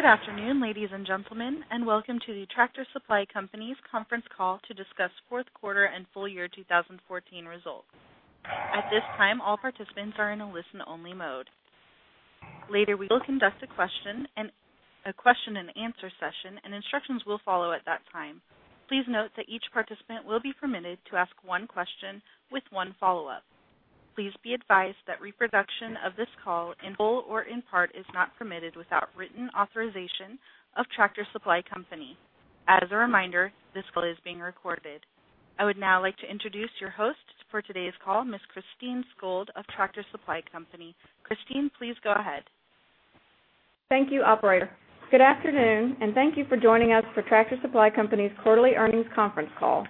Good afternoon, ladies and gentlemen, welcome to the Tractor Supply Company's conference call to discuss fourth quarter and full year 2014 results. At this time, all participants are in a listen-only mode. Later, we will conduct a question and answer session, and instructions will follow at that time. Please note that each participant will be permitted to ask one question with one follow-up. Please be advised that reproduction of this call in full or in part is not permitted without written authorization of Tractor Supply Company. As a reminder, this call is being recorded. I would now like to introduce your host for today's call, Ms. Christine Skold of Tractor Supply Company. Christine, please go ahead. Thank you, operator. Good afternoon, thank you for joining us for Tractor Supply Company's quarterly earnings conference call.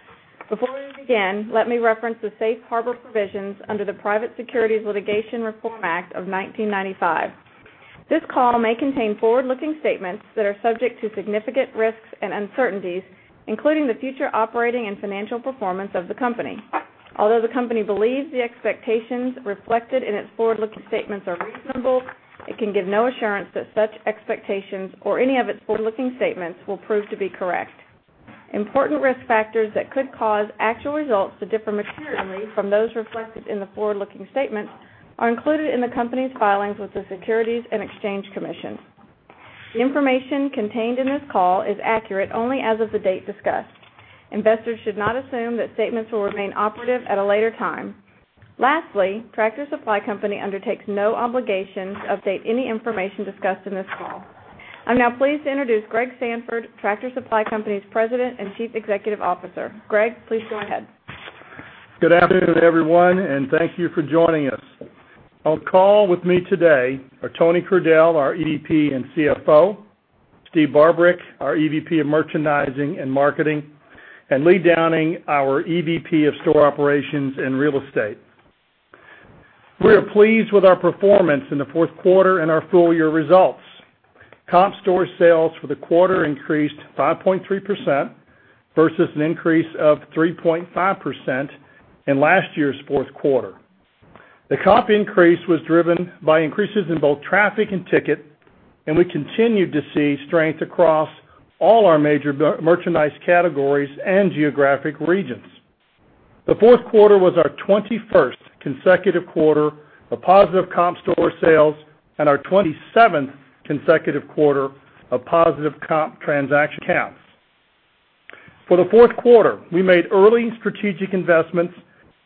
Before we begin, let me reference the safe harbor provisions under the Private Securities Litigation Reform Act of 1995. This call may contain forward-looking statements that are subject to significant risks and uncertainties, including the future operating and financial performance of the company. Although the company believes the expectations reflected in its forward-looking statements are reasonable, it can give no assurance that such expectations or any of its forward-looking statements will prove to be correct. Important risk factors that could cause actual results to differ materially from those reflected in the forward-looking statements are included in the company's filings with the Securities and Exchange Commission. The information contained in this call is accurate only as of the date discussed. Investors should not assume that statements will remain operative at a later time. Lastly, Tractor Supply Company undertakes no obligation to update any information discussed in this call. I'm now pleased to introduce Greg Sandfort, Tractor Supply Company's President and Chief Executive Officer. Greg, please go ahead. Good afternoon, everyone, thank you for joining us. On the call with me today are Tony Crudele, our EVP and CFO, Steve Barbarick, our EVP of Merchandising and Marketing, and Lee Downing, our EVP of Store Operations and Real Estate. We are pleased with our performance in the fourth quarter and our full-year results. Comp store sales for the quarter increased 5.3% versus an increase of 3.5% in last year's fourth quarter. The comp increase was driven by increases in both traffic and ticket, we continued to see strength across all our major merchandise categories and geographic regions. The fourth quarter was our 21st consecutive quarter of positive comp store sales and our 27th consecutive quarter of positive comp transaction counts. For the fourth quarter, we made early strategic investments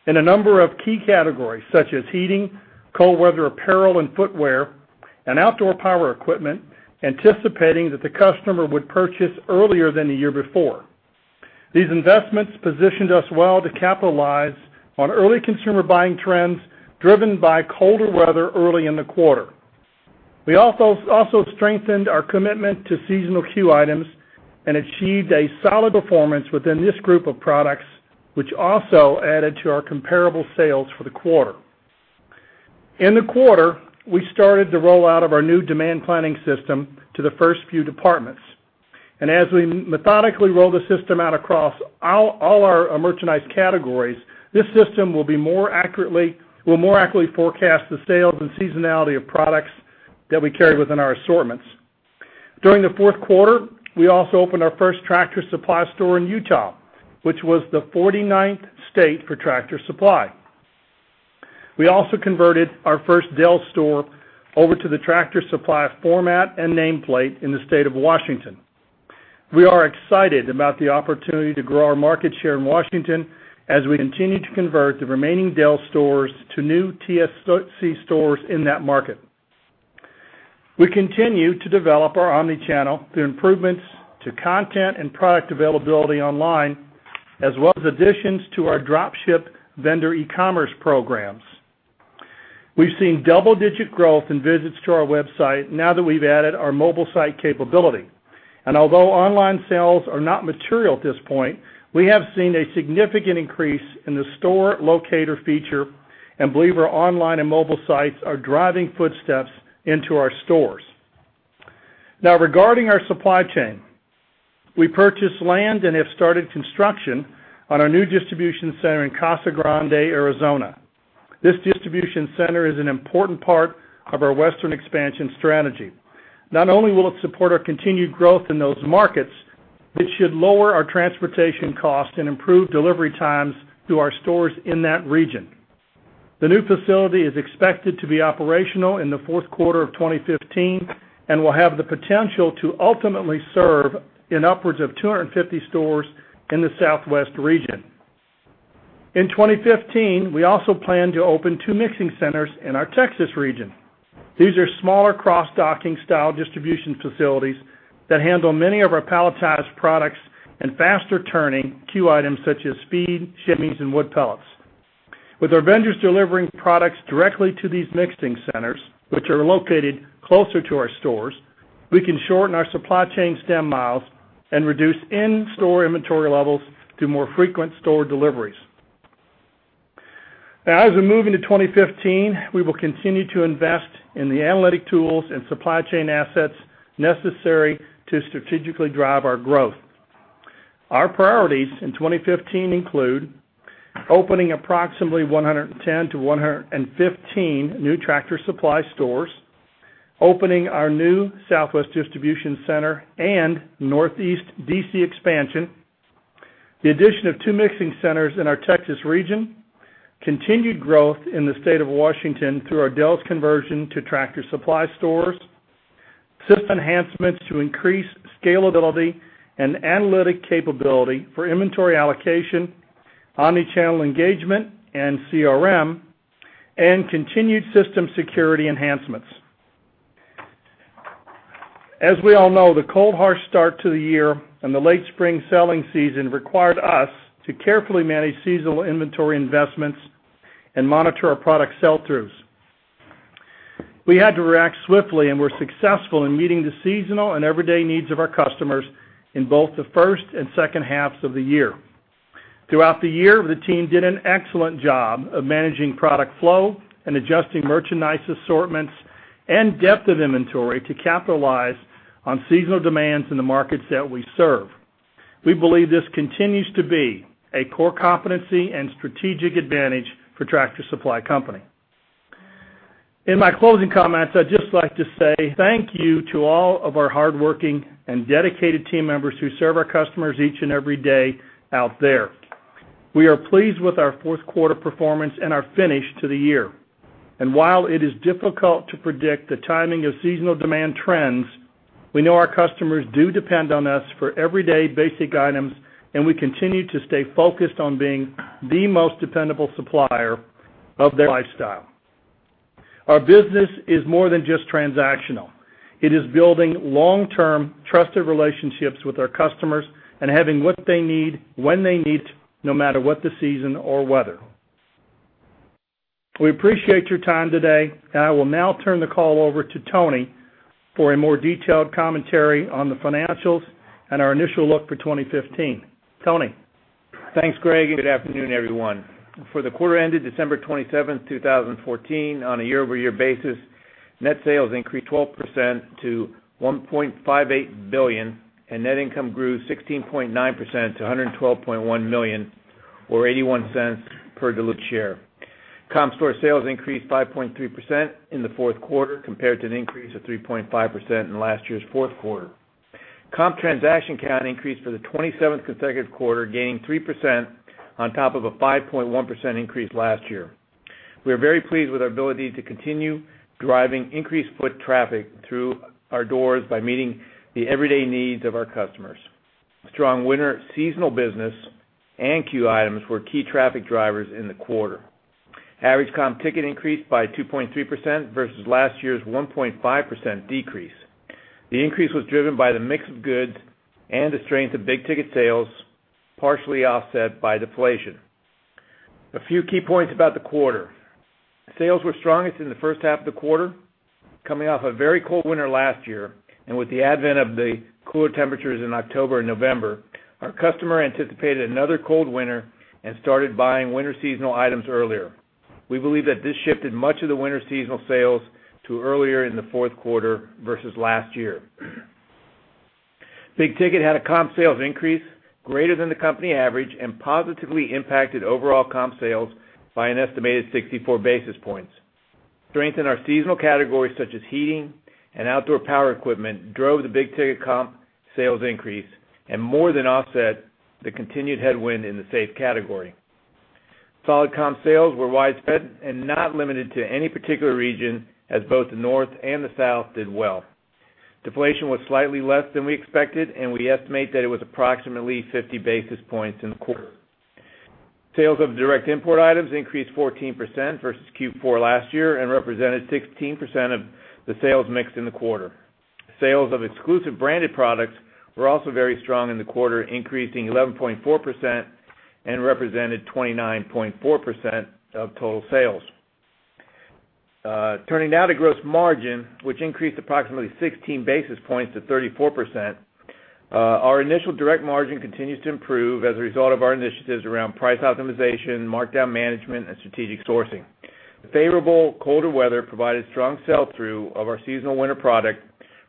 in a number of key categories such as heating, cold weather apparel and footwear, and outdoor power equipment, anticipating that the customer would purchase earlier than the year before. These investments positioned us well to capitalize on early consumer buying trends driven by colder weather early in the quarter. We also strengthened our commitment to seasonal SKU items and achieved a solid performance within this group of products, which also added to our comparable sales for the fourth quarter. In the quarter, we started the rollout of our new demand planning system to the first few departments. As we methodically roll the system out across all our merchandise categories, this system will more accurately forecast the sales and seasonality of products that we carry within our assortments. During the fourth quarter, we also opened our first Tractor Supply store in Utah, which was the 49th state for Tractor Supply. We also converted our first Del's store over to the Tractor Supply format and nameplate in the state of Washington. We are excited about the opportunity to grow our market share in Washington as we continue to convert the remaining Del's stores to new TSC stores in that market. We continue to develop our omni-channel through improvements to content and product availability online, as well as additions to our drop-ship vendor e-commerce programs. We've seen double-digit growth in visits to our website now that we've added our mobile site capability. Although online sales are not material at this point, we have seen a significant increase in the store locator feature and believe our online and mobile sites are driving footsteps into our stores. Now, regarding our supply chain, we purchased land and have started construction on our new distribution center in Casa Grande, Arizona. This distribution center is an important part of our Western expansion strategy. Not only will it support our continued growth in those markets, but it should lower our transportation costs and improve delivery times to our stores in that region. The new facility is expected to be operational in the fourth quarter of 2015 and will have the potential to ultimately serve in upwards of 250 stores in the Southwest region. In 2015, we also plan to open two mixing centers in our Texas region. These are smaller cross-docking style distribution facilities that handle many of our palletized products and faster-turning SKU items such as feed, shavings, and wood pellets. With our vendors delivering products directly to these mixing centers, which are located closer to our stores, we can shorten our supply chain stem miles and reduce in-store inventory levels through more frequent store deliveries. Now, as we move into 2015, we will continue to invest in the analytic tools and supply chain assets necessary to strategically drive our growth. Our priorities in 2015 include opening approximately 110 to 115 new Tractor Supply stores, opening our new Southwest Distribution Center and Northeast DC expansion, the addition of two mixing centers in our Texas region, continued growth in the state of Washington through our Del's conversion to Tractor Supply stores, system enhancements to increase scalability and analytic capability for inventory allocation, omni-channel engagement, and CRM, and continued system security enhancements. As we all know, the cold harsh start to the year and the late spring selling season required us to carefully manage seasonal inventory investments and monitor our product sell-throughs. We had to react swiftly, and were successful in meeting the seasonal and everyday needs of our customers in both the first and second halves of the year. Throughout the year, the team did an excellent job of managing product flow and adjusting merchandise assortments and depth of inventory to capitalize on seasonal demands in the markets that we serve. We believe this continues to be a core competency and strategic advantage for Tractor Supply Company. In my closing comments, I'd just like to say thank you to all of our hardworking and dedicated team members who serve our customers each and every day out there. We are pleased with our fourth quarter performance and our finish to the year. While it is difficult to predict the timing of seasonal demand trends, we know our customers do depend on us for everyday basic items, and we continue to stay focused on being the most dependable supplier of their lifestyle. Our business is more than just transactional. It is building long-term, trusted relationships with our customers and having what they need, when they need it, no matter what the season or weather. We appreciate your time today, and I will now turn the call over to Tony for a more detailed commentary on the financials and our initial look for 2015. Tony? Thanks, Greg, and good afternoon, everyone. For the quarter ended December 27th, 2014, on a year-over-year basis, net sales increased 12% to $1.58 billion, and net income grew 16.9% to $112.1 million, or $0.81 per diluted share. Comp store sales increased 5.3% in the fourth quarter, compared to an increase of 3.5% in last year's fourth quarter. Comp transaction count increased for the 27th consecutive quarter, gaining 3% on top of a 5.1% increase last year. We are very pleased with our ability to continue driving increased foot traffic through our doors by meeting the everyday needs of our customers. Strong winter seasonal business and C.U.E. items were key traffic drivers in the quarter. Average comp ticket increased by 2.3%, versus last year's 1.5% decrease. The increase was driven by the mix of goods and the strength of big-ticket sales, partially offset by deflation. A few key points about the quarter. Sales were strongest in the first half of the quarter. Coming off a very cold winter last year, and with the advent of the cooler temperatures in October and November, our customer anticipated another cold winter and started buying winter seasonal items earlier. We believe that this shifted much of the winter seasonal sales to earlier in the fourth quarter versus last year. Big-ticket had a comp sales increase greater than the company average and positively impacted overall comp sales by an estimated 64 basis points. Strength in our seasonal categories such as heating and outdoor power equipment drove the big-ticket comp sales increase and more than offset the continued headwind in the safe category. Solid comp sales were widespread and not limited to any particular region, as both the North and the South did well. Deflation was slightly less than we expected, and we estimate that it was approximately 50 basis points in the quarter. Sales of direct import items increased 14% versus Q4 last year and represented 16% of the sales mix in the quarter. Sales of exclusive branded products were also very strong in the quarter, increasing 11.4% and represented 29.4% of total sales. Turning now to gross margin, which increased approximately 16 basis points to 34%. Our initial direct margin continues to improve as a result of our initiatives around price optimization, markdown management, and strategic sourcing. The favorable colder weather provided strong sell-through of our seasonal winter product,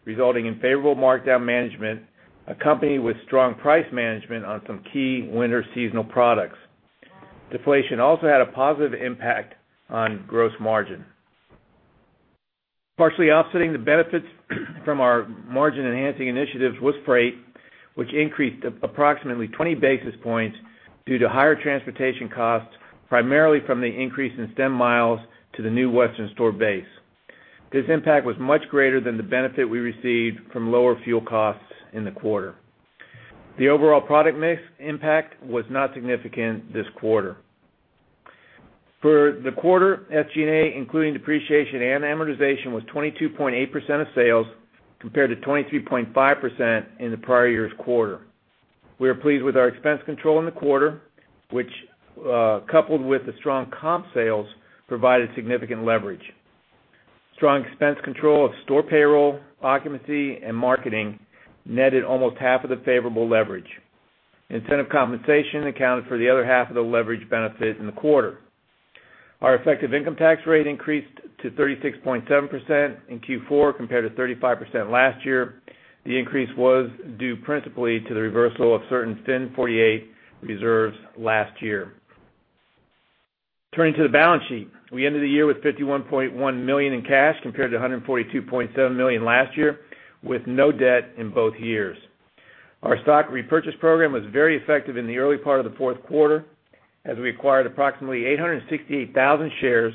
resulting in favorable markdown management, accompanied with strong price management on some key winter seasonal products. Deflation also had a positive impact on gross margin. Partially offsetting the benefits from our margin-enhancing initiatives was freight, which increased approximately 20 basis points due to higher transportation costs, primarily from the increase in stem miles to the new western store base. This impact was much greater than the benefit we received from lower fuel costs in the quarter. The overall product mix impact was not significant this quarter. For the quarter, SG&A, including depreciation and amortization, was 22.8% of sales compared to 23.5% in the prior year's quarter. We are pleased with our expense control in the quarter, which, coupled with the strong comp sales, provided significant leverage. Strong expense control of store payroll, occupancy, and marketing netted almost half of the favorable leverage. Incentive compensation accounted for the other half of the leverage benefit in the quarter. Our effective income tax rate increased to 36.7% in Q4 compared to 35% last year. The increase was due principally to the reversal of certain FIN 48 reserves last year. Turning to the balance sheet. We ended the year with $51.1 million in cash compared to $142.7 million last year, with no debt in both years. Our stock repurchase program was very effective in the early part of the fourth quarter as we acquired approximately 868,000 shares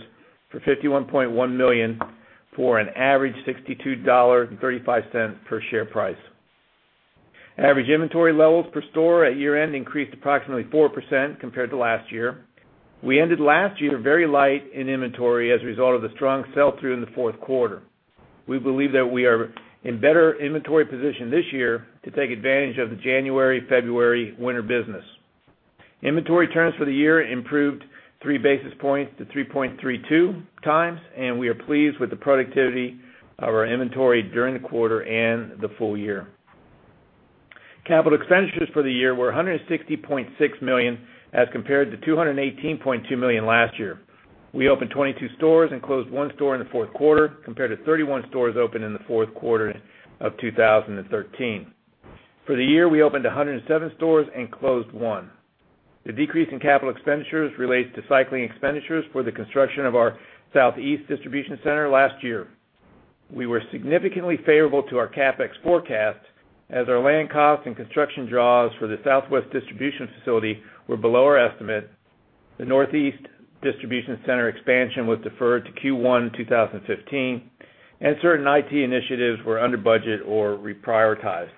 for $51.1 million, for an average $62.35 per share price. Average inventory levels per store at year-end increased approximately 4% compared to last year. We ended last year very light in inventory as a result of the strong sell-through in the fourth quarter. We believe that we are in better inventory position this year to take advantage of the January, February winter business. Inventory turns for the year improved three basis points to 3.32 times, and we are pleased with the productivity of our inventory during the quarter and the full year. Capital expenditures for the year were $160.6 million as compared to $218.2 million last year. We opened 22 stores and closed one store in the fourth quarter, compared to 31 stores opened in the fourth quarter of 2013. For the year, we opened 107 stores and closed one. The decrease in capital expenditures relates to cycling expenditures for the construction of our southeast distribution center last year. We were significantly favorable to our CapEx forecast as our land costs and construction draws for the southwest distribution facility were below our estimate. The northeast distribution center expansion was deferred to Q1 2015, and certain IT initiatives were under budget or reprioritized.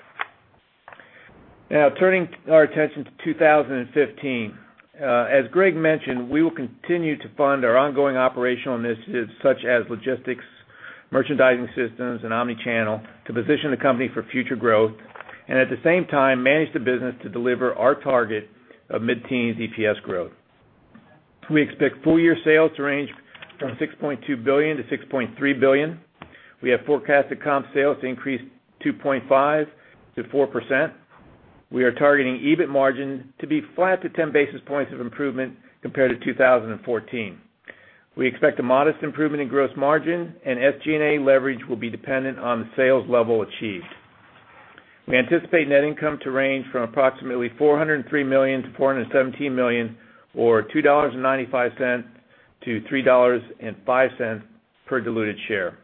Now turning our attention to 2015. As Greg mentioned, we will continue to fund our ongoing operational initiatives such as logistics, merchandising systems, and omni-channel to position the company for future growth. At the same time, manage the business to deliver our target of mid-teens EPS growth. We expect full-year sales to range from $6.2 billion-$6.3 billion. We have forecasted comp sales to increase 2.5%-4%. We are targeting EBIT margin to be flat to 10 basis points of improvement compared to 2014. We expect a modest improvement in gross margin and SG&A leverage will be dependent on the sales level achieved. We anticipate net income to range from approximately $403 million-$417 million or $2.95-$3.05 per diluted share.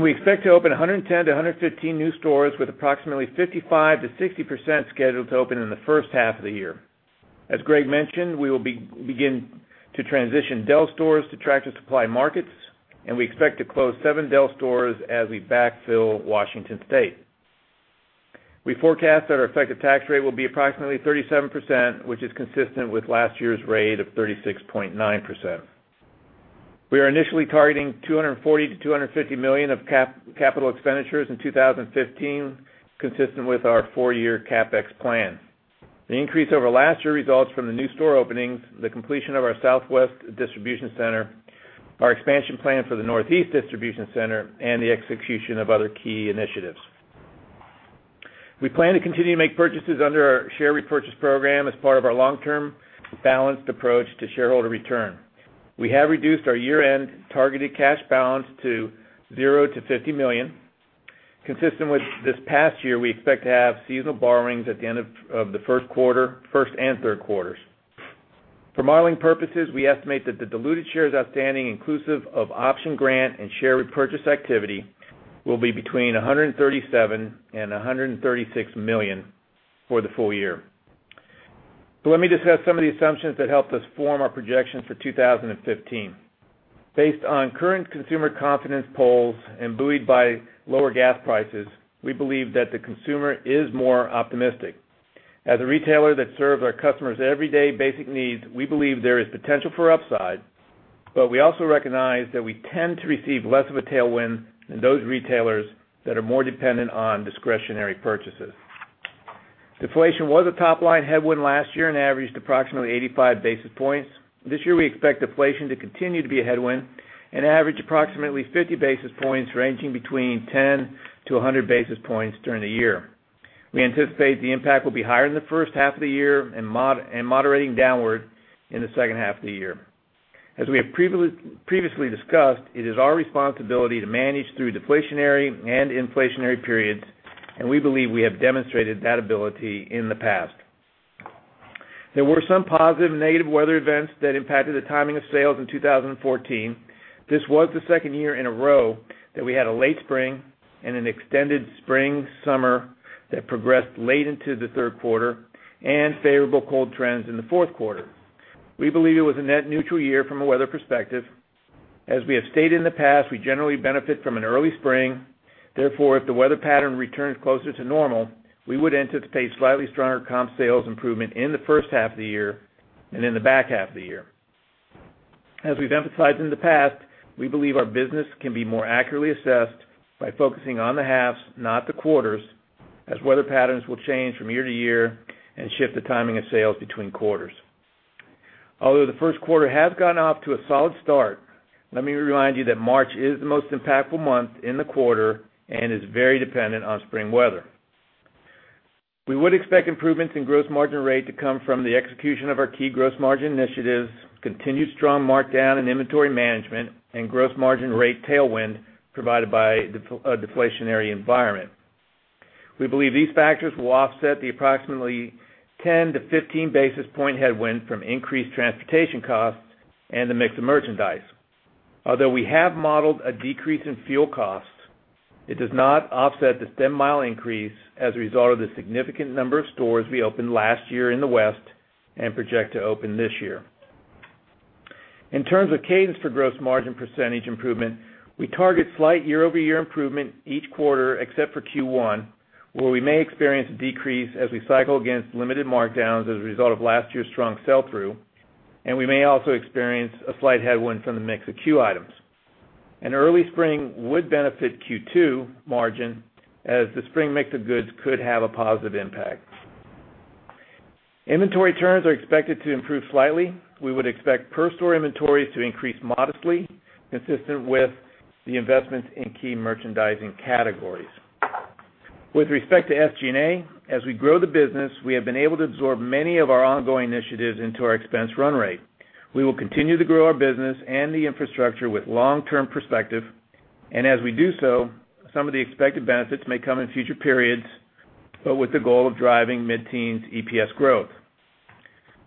We expect to open 110-115 new stores, with approximately 55%-60% scheduled to open in the first half of the year. As Greg mentioned, we will begin to transition Del stores to Tractor Supply markets, and we expect to close seven Del stores as we backfill Washington State. We forecast that our effective tax rate will be approximately 37%, which is consistent with last year's rate of 36.9%. We are initially targeting $240 million-$250 million of capital expenditures in 2015, consistent with our four-year CapEx plan. The increase over last year results from the new store openings, the completion of our southwest distribution center, our expansion plan for the northeast distribution center, and the execution of other key initiatives. We plan to continue to make purchases under our share repurchase program as part of our long-term balanced approach to shareholder return. We have reduced our year-end targeted cash balance to $0-$50 million. Consistent with this past year, we expect to have seasonal borrowings at the end of the first and third quarters. For modeling purposes, we estimate that the diluted shares outstanding inclusive of option grant and share repurchase activity will be between 137 and 136 million for the full year. Let me discuss some of the assumptions that helped us form our projections for 2015. Based on current consumer confidence polls and buoyed by lower gas prices, we believe that the consumer is more optimistic. As a retailer that serves our customers' everyday basic needs, we believe there is potential for upside, but we also recognize that we tend to receive less of a tailwind than those retailers that are more dependent on discretionary purchases. Deflation was a top-line headwind last year and averaged approximately 85 basis points. This year, we expect deflation to continue to be a headwind and average approximately 50 basis points, ranging between 10-100 basis points during the year. We anticipate the impact will be higher in the first half of the year and moderating downward in the second half of the year. As we have previously discussed, it is our responsibility to manage through deflationary and inflationary periods, and we believe we have demonstrated that ability in the past. There were some positive and negative weather events that impacted the timing of sales in 2014. This was the second year in a row that we had a late spring and an extended spring, summer that progressed late into the third quarter, and favorable cold trends in the fourth quarter. We believe it was a net neutral year from a weather perspective. As we have stated in the past, we generally benefit from an early spring. If the weather pattern returns closer to normal, we would anticipate slightly stronger comp sales improvement in the first half of the year and in the back half of the year. As we've emphasized in the past, we believe our business can be more accurately assessed by focusing on the halves, not the quarters, as weather patterns will change from year to year and shift the timing of sales between quarters. Although the first quarter has gotten off to a solid start, let me remind you that March is the most impactful month in the quarter and is very dependent on spring weather. We would expect improvements in gross margin rate to come from the execution of our key gross margin initiatives, continued strong markdown in inventory management, and gross margin rate tailwind provided by a deflationary environment. We believe these factors will offset the approximately 10 to 15 basis point headwind from increased transportation costs and the mix of merchandise. Although we have modeled a decrease in fuel costs, it does not offset the stem mile increase as a result of the significant number of stores we opened last year in the West and project to open this year. In terms of cadence for gross margin percentage improvement, we target slight year-over-year improvement each quarter except for Q1, where we may experience a decrease as we cycle against limited markdowns as a result of last year's strong sell-through, and we may also experience a slight headwind from the mix of C.U.E. items. An early spring would benefit Q2 margin as the spring mix of goods could have a positive impact. Inventory turns are expected to improve slightly. We would expect per store inventories to increase modestly, consistent with the investments in key merchandising categories. With respect to SG&A, as we grow the business, we have been able to absorb many of our ongoing initiatives into our expense run rate. We will continue to grow our business and the infrastructure with long-term perspective, and as we do so, some of the expected benefits may come in future periods, but with the goal of driving mid-teens EPS growth.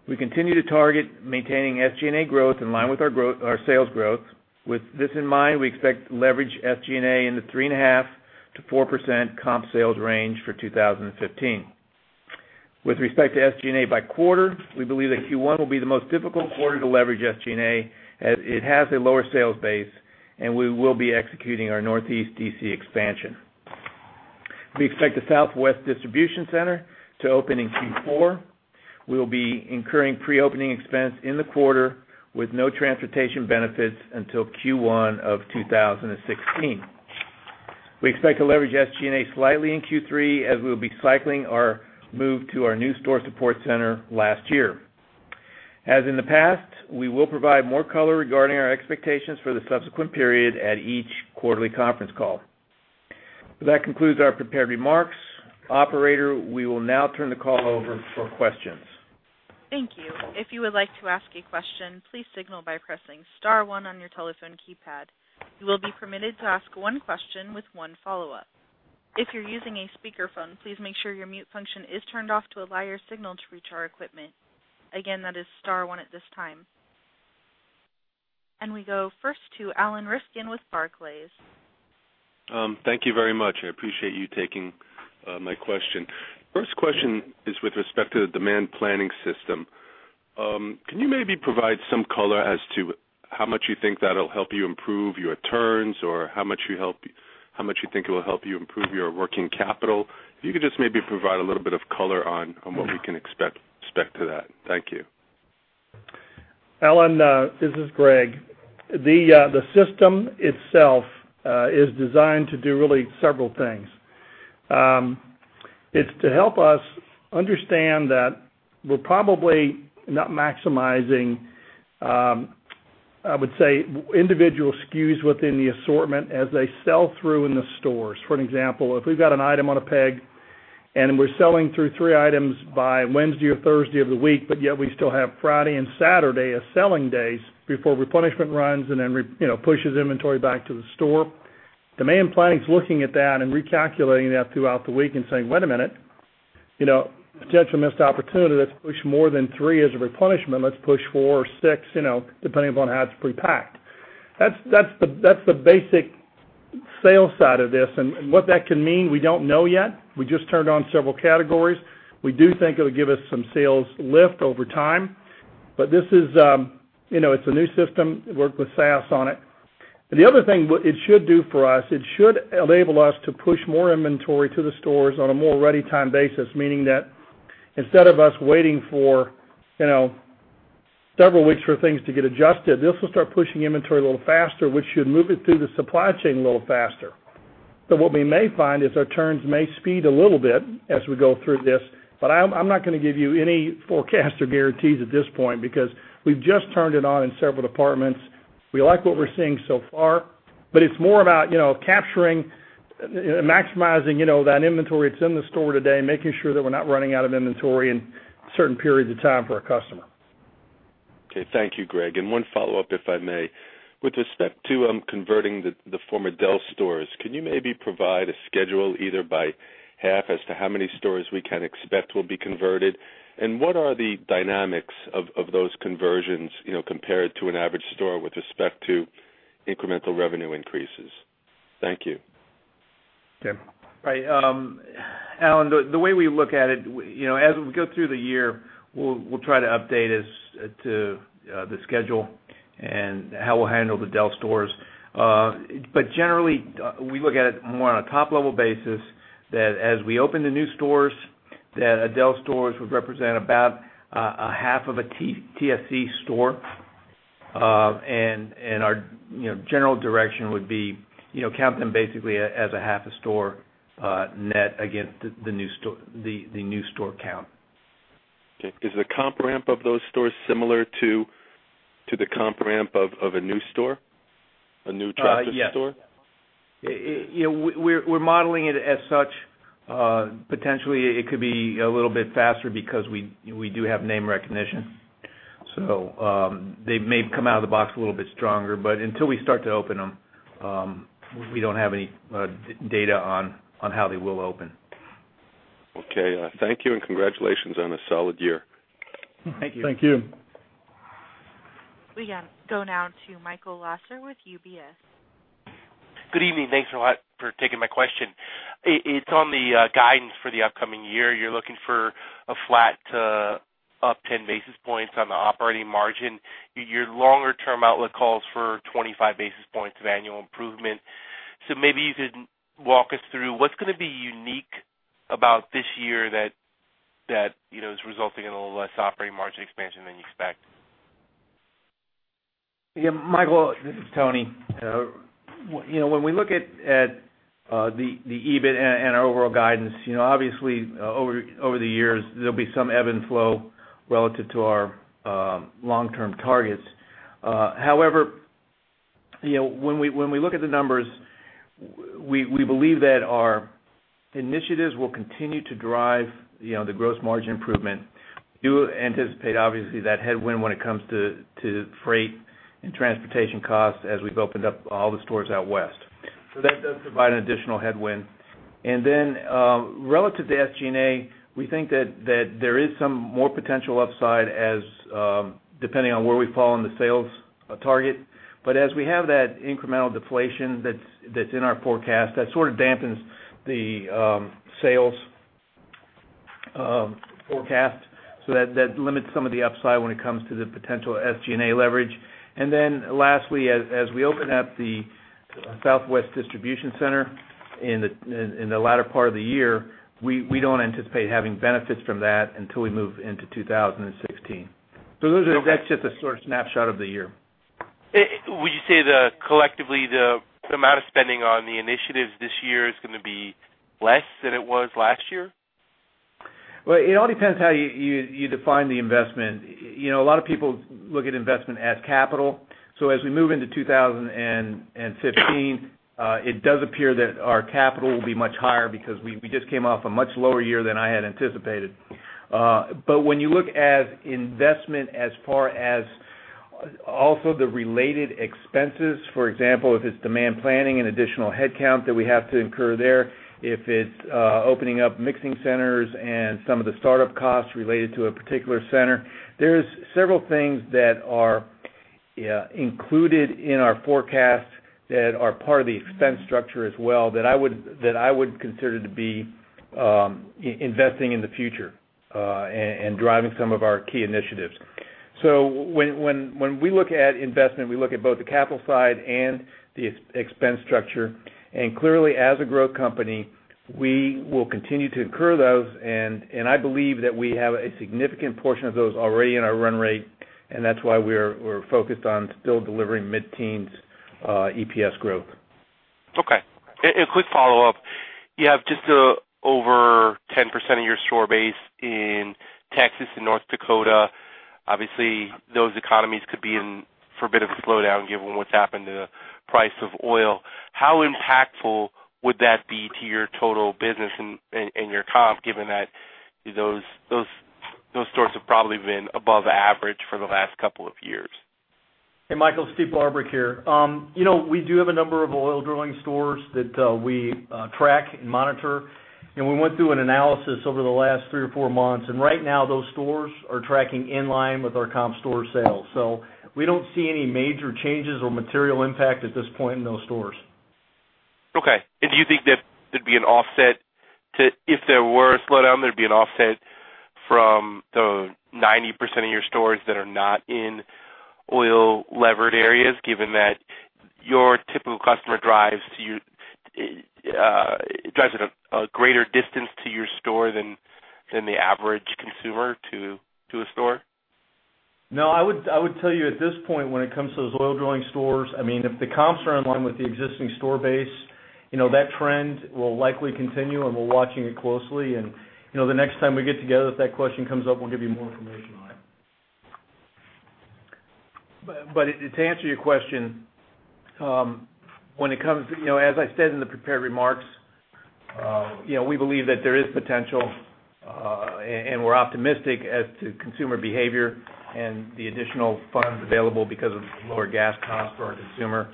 We continue to target maintaining SG&A growth in line with our sales growth. With this in mind, we expect to leverage SG&A in the 3.5%-4% comp sales range for 2015. With respect to SG&A by quarter, we believe that Q1 will be the most difficult quarter to leverage SG&A, as it has a lower sales base, and we will be executing our Northeast DC expansion. We expect the Southwest distribution center to open in Q4. We will be incurring pre-opening expense in the quarter with no transportation benefits until Q1 of 2016. We expect to leverage SG&A slightly in Q3, as we will be cycling our move to our new store support center last year. As in the past, we will provide more color regarding our expectations for the subsequent period at each quarterly conference call. That concludes our prepared remarks. Operator, we will now turn the call over for questions. Thank you. If you would like to ask a question, please signal by pressing *1 on your telephone keypad. You will be permitted to ask 1 question with 1 follow-up. If you're using a speakerphone, please make sure your mute function is turned off to allow your signal to reach our equipment. Again, that is *1 at this time. We go first to Alan Rifkin with Barclays. Thank you very much. I appreciate you taking my question. First question is with respect to the demand planning system. Can you maybe provide some color as to how much you think that'll help you improve your turns or how much you think it will help you improve your working capital? If you could just maybe provide a little bit of color on what we can expect to that. Thank you. Alan, this is Greg. The system itself is designed to do really several things. It's to help us understand that we're probably not maximizing, I would say, individual SKUs within the assortment as they sell through in the stores. For an example, if we've got an item on a peg and we're selling through three items by Wednesday or Thursday of the week, but yet we still have Friday and Saturday as selling days before replenishment runs and then pushes inventory back to the store, demand planning is looking at that and recalculating that throughout the week and saying, "Wait a minute. Potential missed opportunity. Let's push more than three as a replenishment. Let's push four or six," depending upon how it's pre-packed. That's the basic sales side of this. What that can mean, we don't know yet. We just turned on several categories. We do think it'll give us some sales lift over time. It's a new system. We worked with SAS on it. The other thing it should do for us, it should enable us to push more inventory to the stores on a more ready time basis, meaning that instead of us waiting for several weeks for things to get adjusted, this will start pushing inventory a little faster, which should move it through the supply chain a little faster. What we may find is our turns may speed a little bit as we go through this, but I'm not going to give you any forecasts or guarantees at this point because we've just turned it on in several departments. We like what we're seeing so far, but it's more about capturing and maximizing that inventory that's in the store today and making sure that we're not running out of inventory in certain periods of time for our customer. Okay. Thank you, Greg. One follow-up, if I may. With respect to converting the former Del's stores, can you maybe provide a schedule either by half as to how many stores we can expect will be converted? What are the dynamics of those conversions compared to an average store with respect to incremental revenue increases? Thank you. Tim. Right. Alan, the way we look at it, as we go through the year, we'll try to update as to the schedule and how we'll handle the Del's stores. Generally, we look at it more on a top-level basis that as we open the new stores, that a Del's stores would represent about a half of a TSC store. Our general direction would be count them basically as a half a store net against the new store count. Okay. Is the comp ramp of those stores similar to the comp ramp of a new store? A new Tractor Supply Store? Yes. We're modeling it as such. Potentially, it could be a little bit faster because we do have name recognition. They may come out of the box a little bit stronger, but until we start to open them, we don't have any data on how they will open. Okay. Thank you, and congratulations on a solid year. Thank you. Thank you. We go now to Michael Lasser with UBS. Good evening. Thanks a lot for taking my question. It's on the guidance for the upcoming year. You're looking for a flat to up 10 basis points on the operating margin. Your longer-term outlook calls for 25 basis points of annual improvement. Maybe you could walk us through what's going to be unique about this year that is resulting in a little less operating margin expansion than you expect. Michael, this is Tony. When we look at the EBIT and our overall guidance, obviously, over the years, there'll be some ebb and flow relative to our long-term targets. However, when we look at the numbers, we believe that our initiatives will continue to drive the gross margin improvement. We do anticipate, obviously, that headwind when it comes to freight and transportation costs as we've opened up all the stores out west. That does provide an additional headwind. Relative to SG&A, we think that there is some more potential upside as depending on where we fall in the sales target. As we have that incremental deflation that's in our forecast, that sort of dampens the sales forecast. That limits some of the upside when it comes to the potential SG&A leverage. Lastly, as we open up the Southwest Distribution Center in the latter part of the year, we don't anticipate having benefits from that until we move into 2016. Okay That's just a sort of snapshot of the year. Would you say that collectively, the amount of spending on the initiatives this year is going to be less than it was last year? It all depends how you define the investment. A lot of people look at investment as capital. As we move into 2015, it does appear that our capital will be much higher because we just came off a much lower year than I had anticipated. When you look at investment as far as also the related expenses, for example, if it's demand planning and additional headcount that we have to incur there, if it's opening up mixing centers and some of the startup costs related to a particular center, there's several things that are included in our forecast that are part of the expense structure as well that I would consider to be investing in the future and driving some of our key initiatives. When we look at investment, we look at both the capital side and the expense structure. Clearly, as a growth company, we will continue to incur those, and I believe that we have a significant portion of those already in our run rate, and that's why we're focused on still delivering mid-teens EPS growth. Okay. A quick follow-up. You have just over 10% of your store base in Texas and North Dakota. Obviously, those economies could be in for a bit of a slowdown given what's happened to the price of oil. How impactful would that be to your total business and your comp, given that those stores have probably been above average for the last couple of years? Hey, Michael Lasser, Steve Barbarick here. We do have a number of oil drilling stores that we track and monitor. We went through an analysis over the last three or four months. Right now those stores are tracking in line with our comp store sales. We don't see any major changes or material impact at this point in those stores. Okay. Do you think there'd be an offset to, if there were a slowdown, there'd be an offset from the 90% of your stores that are not in oil-levered areas, given that your typical customer drives a greater distance to your store than the average consumer to a store? No, I would tell you at this point, when it comes to those oil drilling stores, if the comps are in line with the existing store base, that trend will likely continue. We're watching it closely. The next time we get together, if that question comes up, we'll give you more information on it. To answer your question, as I said in the prepared remarks, we believe that there is potential, and we're optimistic as to consumer behavior and the additional funds available because of lower gas costs for our consumer.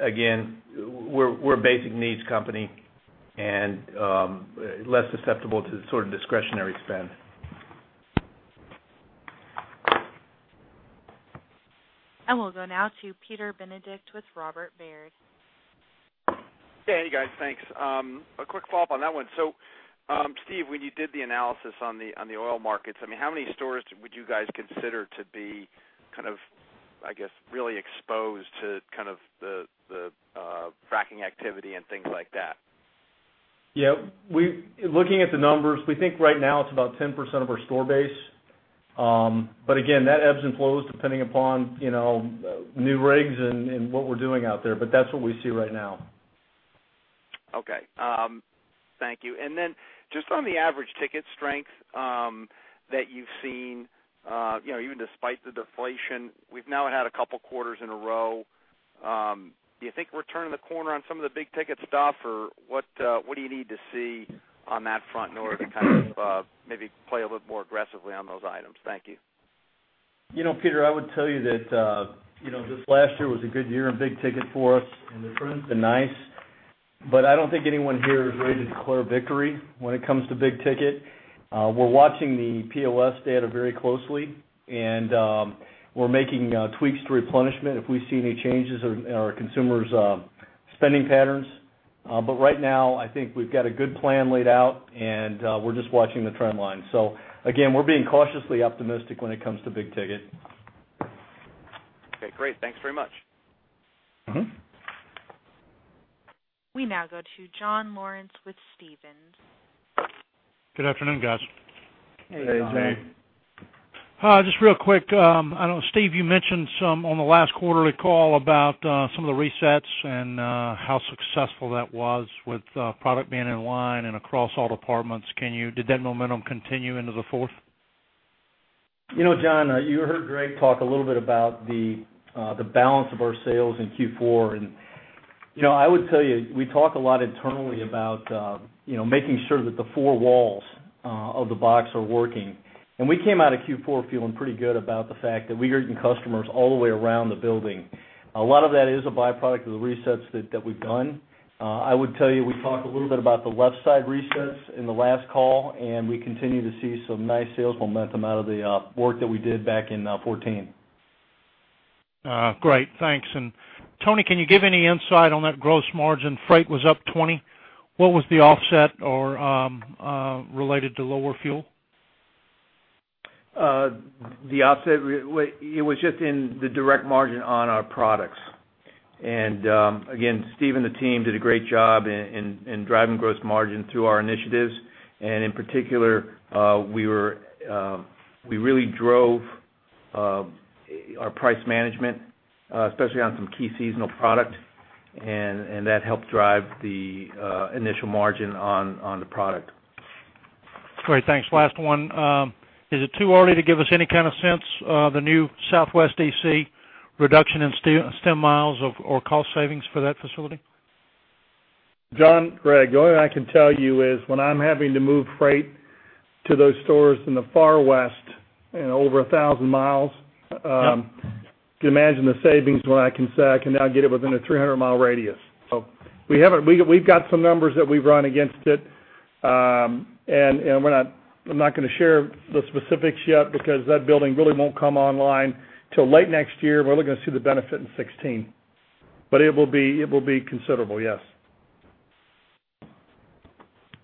Again, we're a basic needs company and less susceptible to sort of discretionary spend. We'll go now to Peter Benedict with Robert W. Baird. Hey, guys, thanks. A quick follow-up on that one. Steve, when you did the analysis on the oil markets, how many stores would you guys consider to be, I guess, really exposed to the fracking activity and things like that? Looking at the numbers, we think right now it's about 10% of our store base. Again, that ebbs and flows depending upon new rigs and what we're doing out there, but that's what we see right now. Okay. Thank you. Just on the average ticket strength that you've seen even despite the deflation, we've now had a couple quarters in a row. Do you think we're turning the corner on some of the big ticket stuff or what do you need to see on that front in order to maybe play a little more aggressively on those items? Thank you. Peter, I would tell you that this last year was a good year in big ticket for us, the trend's been nice. I don't think anyone here is ready to declare victory when it comes to big ticket. We're watching the POS data very closely, we're making tweaks to replenishment if we see any changes in our consumers' spending patterns. Right now, I think we've got a good plan laid out, we're just watching the trend line. Again, we're being cautiously optimistic when it comes to big ticket. Okay, great. Thanks very much. We now go to John Lawrence with Stephens. Good afternoon, guys. Hey. Hey, John. Just real quick. I know, Steve, you mentioned some on the last quarterly call about some of the resets and how successful that was with product being in line and across all departments. Did that momentum continue into the fourth? John, you heard Greg talk a little bit about the balance of our sales in Q4, and I would tell you, we talk a lot internally about making sure that the four walls of the box are working. We came out of Q4 feeling pretty good about the fact that we are getting customers all the way around the building. A lot of that is a byproduct of the resets that we've done. I would tell you, we talked a little bit about the left side resets in the last call, and we continue to see some nice sales momentum out of the work that we did back in 2014. Tony, can you give any insight on that gross margin? Freight was up 20. What was the offset or related to lower fuel? The offset, it was just in the direct margin on our products. Again, Steve and the team did a great job in driving gross margin through our initiatives. In particular, we really drove our price management, especially on some key seasonal product, and that helped drive the initial margin on the product. Great, thanks. Last one. Is it too early to give us any kind of sense of the new Southwest DC reduction in stem miles or cost savings for that facility? John, Greg, the only thing I can tell you is when I'm having to move freight to those stores in the far west over 1,000 miles. Yep you can imagine the savings when I can say I can now get it within a 300-mile radius. We've got some numbers that we've run against it. I'm not going to share the specifics yet because that building really won't come online till late next year. We're looking to see the benefit in 2016. It will be considerable, yes.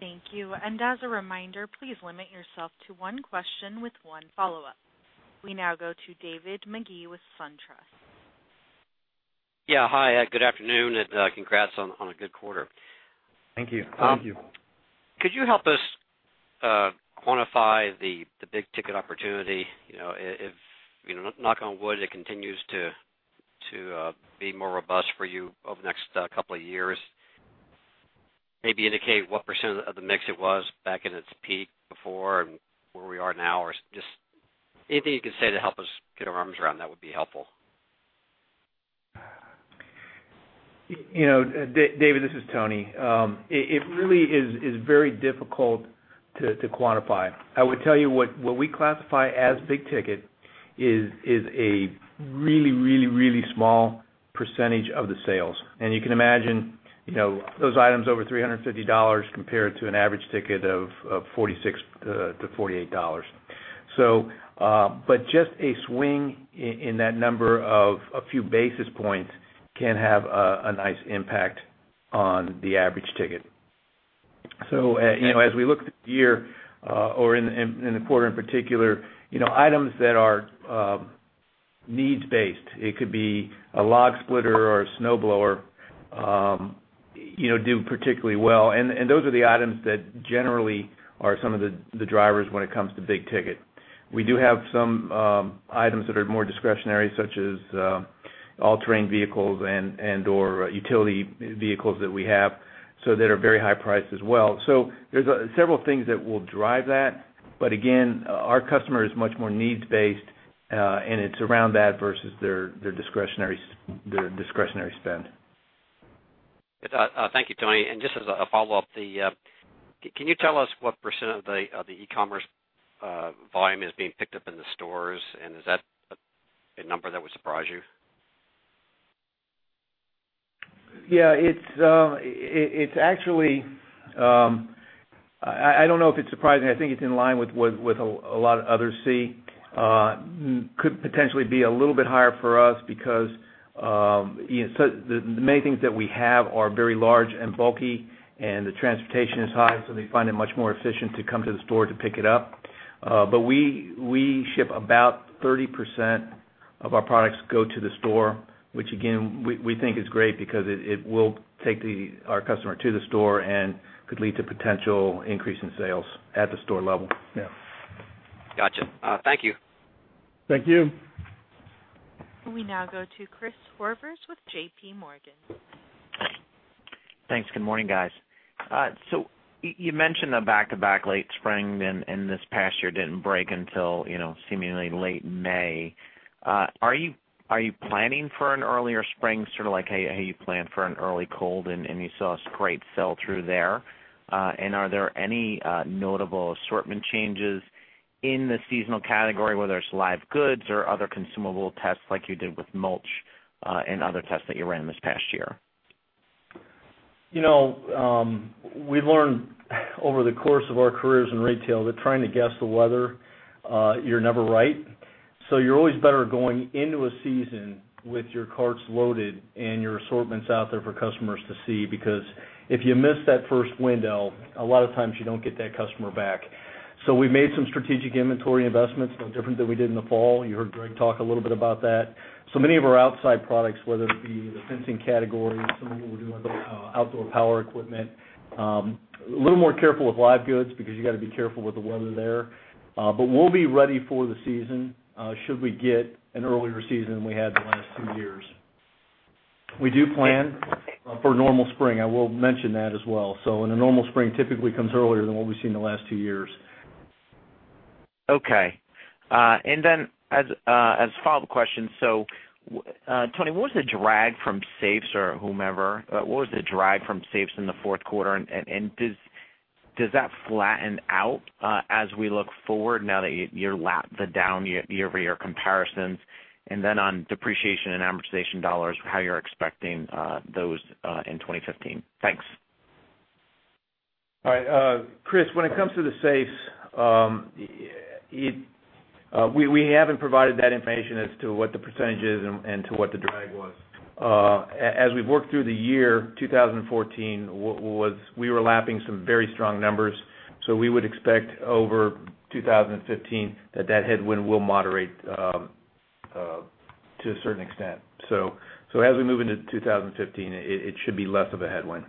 Thank you. As a reminder, please limit yourself to one question with one follow-up. We now go to David Magee with SunTrust. Yeah. Hi, good afternoon. Congrats on a good quarter. Thank you. Thank you. Could you help us quantify the big ticket opportunity? If, knock on wood, it continues to be more robust for you over the next couple of years, maybe indicate what % of the mix it was back in its peak before and where we are now or just anything you can say to help us get our arms around that would be helpful. David, this is Tony. It really is very difficult to quantify. I would tell you what we classify as big ticket is a really small percentage of the sales. You can imagine those items over $350 compared to an average ticket of $46 to $48. Just a swing in that number of a few basis points can have a nice impact on the average ticket. As we look at the year or in the quarter in particular, items that are needs-based, it could be a log splitter or a snowblower, do particularly well, and those are the items that generally are some of the drivers when it comes to big ticket. We do have some items that are more discretionary, such as all-terrain vehicles and/or utility vehicles that we have, that are very high priced as well. There's several things that will drive that, again, our customer is much more needs-based, and it's around that versus their discretionary spend. Thank you, Tony. Just as a follow-up, can you tell us what % of the e-commerce volume is being picked up in the stores, and is that a number that would surprise you? Yeah. I don't know if it's surprising. I think it's in line with what a lot of others see. Could potentially be a little bit higher for us because the many things that we have are very large and bulky, and the transportation is high, so they find it much more efficient to come to the store to pick it up. We ship about 30% of our products go to the store, which again, we think is great because it will take our customer to the store and could lead to potential increase in sales at the store level. Yeah. Got you. Thank you. Thank you. We now go to Christopher Horvers with J.P. Morgan. Thanks. Good morning, guys. You mentioned a back-to-back late spring and this past year didn't break until seemingly late May. Are you planning for an earlier spring, sort of like how you planned for an early cold, and you saw a great sell through there? Are there any notable assortment changes in the seasonal category, whether it's live goods or other consumable tests like you did with mulch, and other tests that you ran this past year? We've learned over the course of our careers in retail that trying to guess the weather, you're never right. You're always better going into a season with your carts loaded and your assortments out there for customers to see because if you miss that first window, a lot of times you don't get that customer back. We've made some strategic inventory investments, no different than we did in the fall. You heard Greg talk a little bit about that. Many of our outside products, whether it be the fencing category, some of what we're doing with outdoor power equipment. A little more careful with live goods because you got to be careful with the weather there. We'll be ready for the season, should we get an earlier season than we had the last two years. We do plan for a normal spring. I will mention that as well. In a normal spring, typically comes earlier than what we've seen in the last two years. As a follow-up question, Tony, what was the drag from safes or whomever? What was the drag from safes in the fourth quarter? Does that flatten out, as we look forward now that you lap the down year-over-year comparisons? On depreciation and amortization dollars, how you're expecting those in 2015. Thanks. All right. Chris, when it comes to the safes, we haven't provided that information as to what the percentage is and to what the drag was. As we've worked through the year 2014, we were lapping some very strong numbers. We would expect over 2015 that headwind will moderate to a certain extent. As we move into 2015, it should be less of a headwind.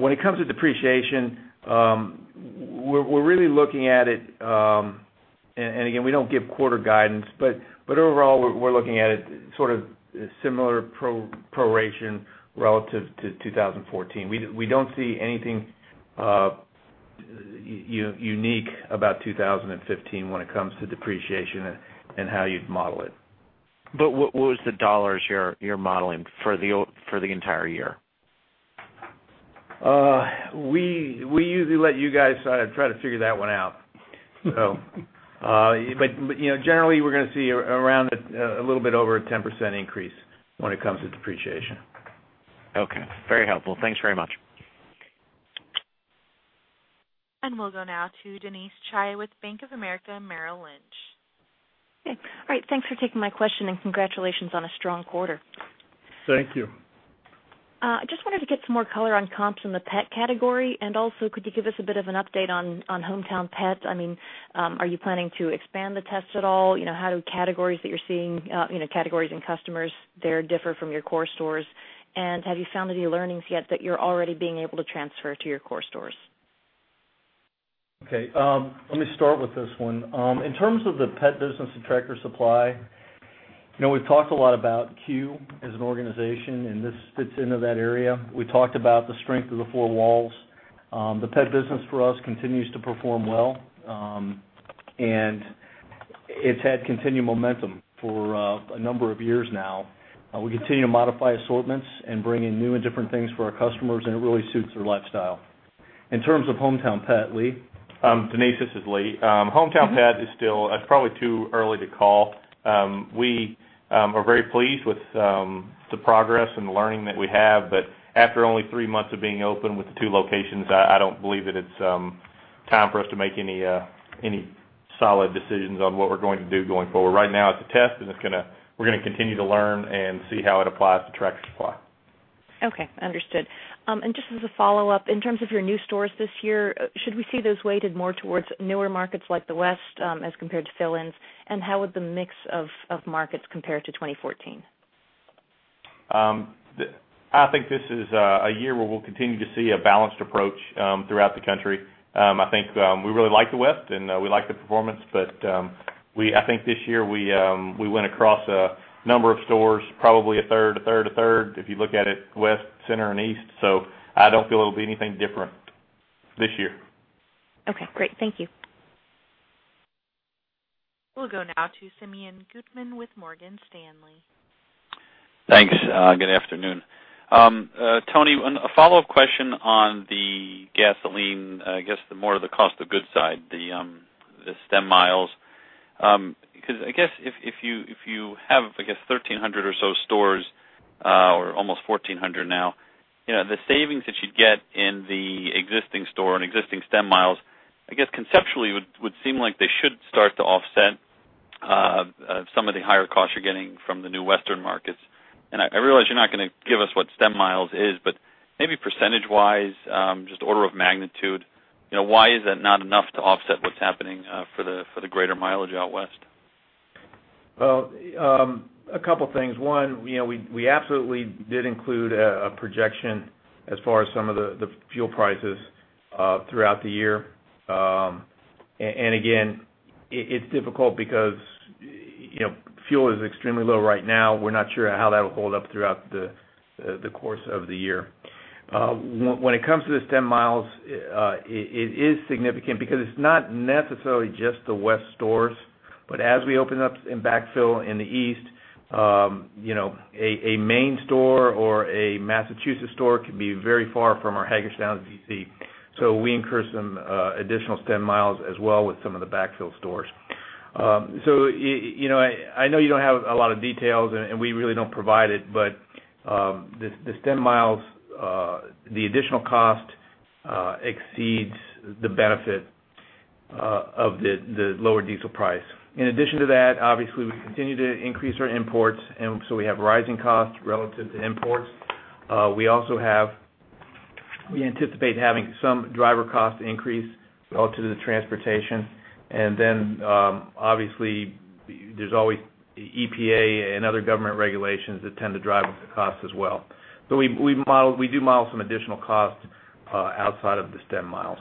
When it comes to depreciation, we're really looking at it, and again, we don't give quarter guidance, but overall, we're looking at it sort of similar proration relative to 2014. We don't see anything unique about 2015 when it comes to depreciation and how you'd model it. What was the dollars you're modeling for the entire year? We usually let you guys try to figure that one out. Generally, we're going to see around a little bit over a 10% increase when it comes to depreciation. Okay. Very helpful. Thanks very much. We'll go now to Denise Chaya with Bank of America Merrill Lynch. Okay. All right. Thanks for taking my question, and congratulations on a strong quarter. Thank you. Just wanted to get some more color on comps in the pet category. Also, could you give us a bit of an update on HomeTown Pet? Are you planning to expand the test at all? How do categories that you're seeing, categories and customers there differ from your core stores? Have you found any learnings yet that you're already being able to transfer to your core stores? Okay. Let me start with this one. In terms of the pet business at Tractor Supply, we've talked a lot about C.U.E. as an organization. This fits into that area. We talked about the strength of the four walls. The pet business for us continues to perform well. It's had continued momentum for a number of years now. We continue to modify assortments and bring in new and different things for our customers. It really suits their lifestyle. In terms of HomeTown Pet, Lee. Denise, this is Lee. HomeTown Pet is still probably too early to call. We are very pleased with the progress and the learning that we have. After only three months of being open with the two locations, I don't believe that it's time for us to make any solid decisions on what we're going to do going forward. Right now it's a test. We're going to continue to learn and see how it applies to Tractor Supply. Okay. Understood. Just as a follow-up, in terms of your new stores this year, should we see those weighted more towards newer markets like the West, as compared to fill-ins? How would the mix of markets compare to 2014? I think this is a year where we'll continue to see a balanced approach throughout the country. I think we really like the West, and we like the performance, but I think this year we went across a number of stores, probably a third, a third, a third, if you look at it west, center and east. I don't feel it'll be anything different this year. Okay, great. Thank you. We'll go now to Simeon Gutman with Morgan Stanley. Thanks. Good afternoon. Tony, a follow-up question on the gasoline, I guess the more the cost of goods side, the stem miles. I guess if you have 1,300 or so stores, or almost 1,400 now, the savings that you'd get in the existing store and existing stem miles, I guess conceptually would seem like they should start to offset some of the higher costs you're getting from the new Western markets. I realize you're not going to give us what stem miles is, but maybe percentage-wise, just order of magnitude, why is that not enough to offset what's happening for the greater mileage out West? Well, a couple of things. One, we absolutely did include a projection as far as some of the fuel prices throughout the year. Again, it's difficult because fuel is extremely low right now. We're not sure how that'll hold up throughout the course of the year. When it comes to this stem miles, it is significant because it's not necessarily just the West stores, but as we open up in backfill in the East, a Maine store or a Massachusetts store could be very far from our Hagerstown DC. We incur some additional stem miles as well with some of the backfill stores. I know you don't have a lot of details and we really don't provide it, but this stem miles, the additional cost exceeds the benefit of the lower diesel price. In addition to that, obviously, we continue to increase our imports, we have rising costs relative to imports. We anticipate having some driver cost increase relative to the transportation. Obviously, there's always EPA and other government regulations that tend to drive up the cost as well. We do model some additional costs outside of this stem miles.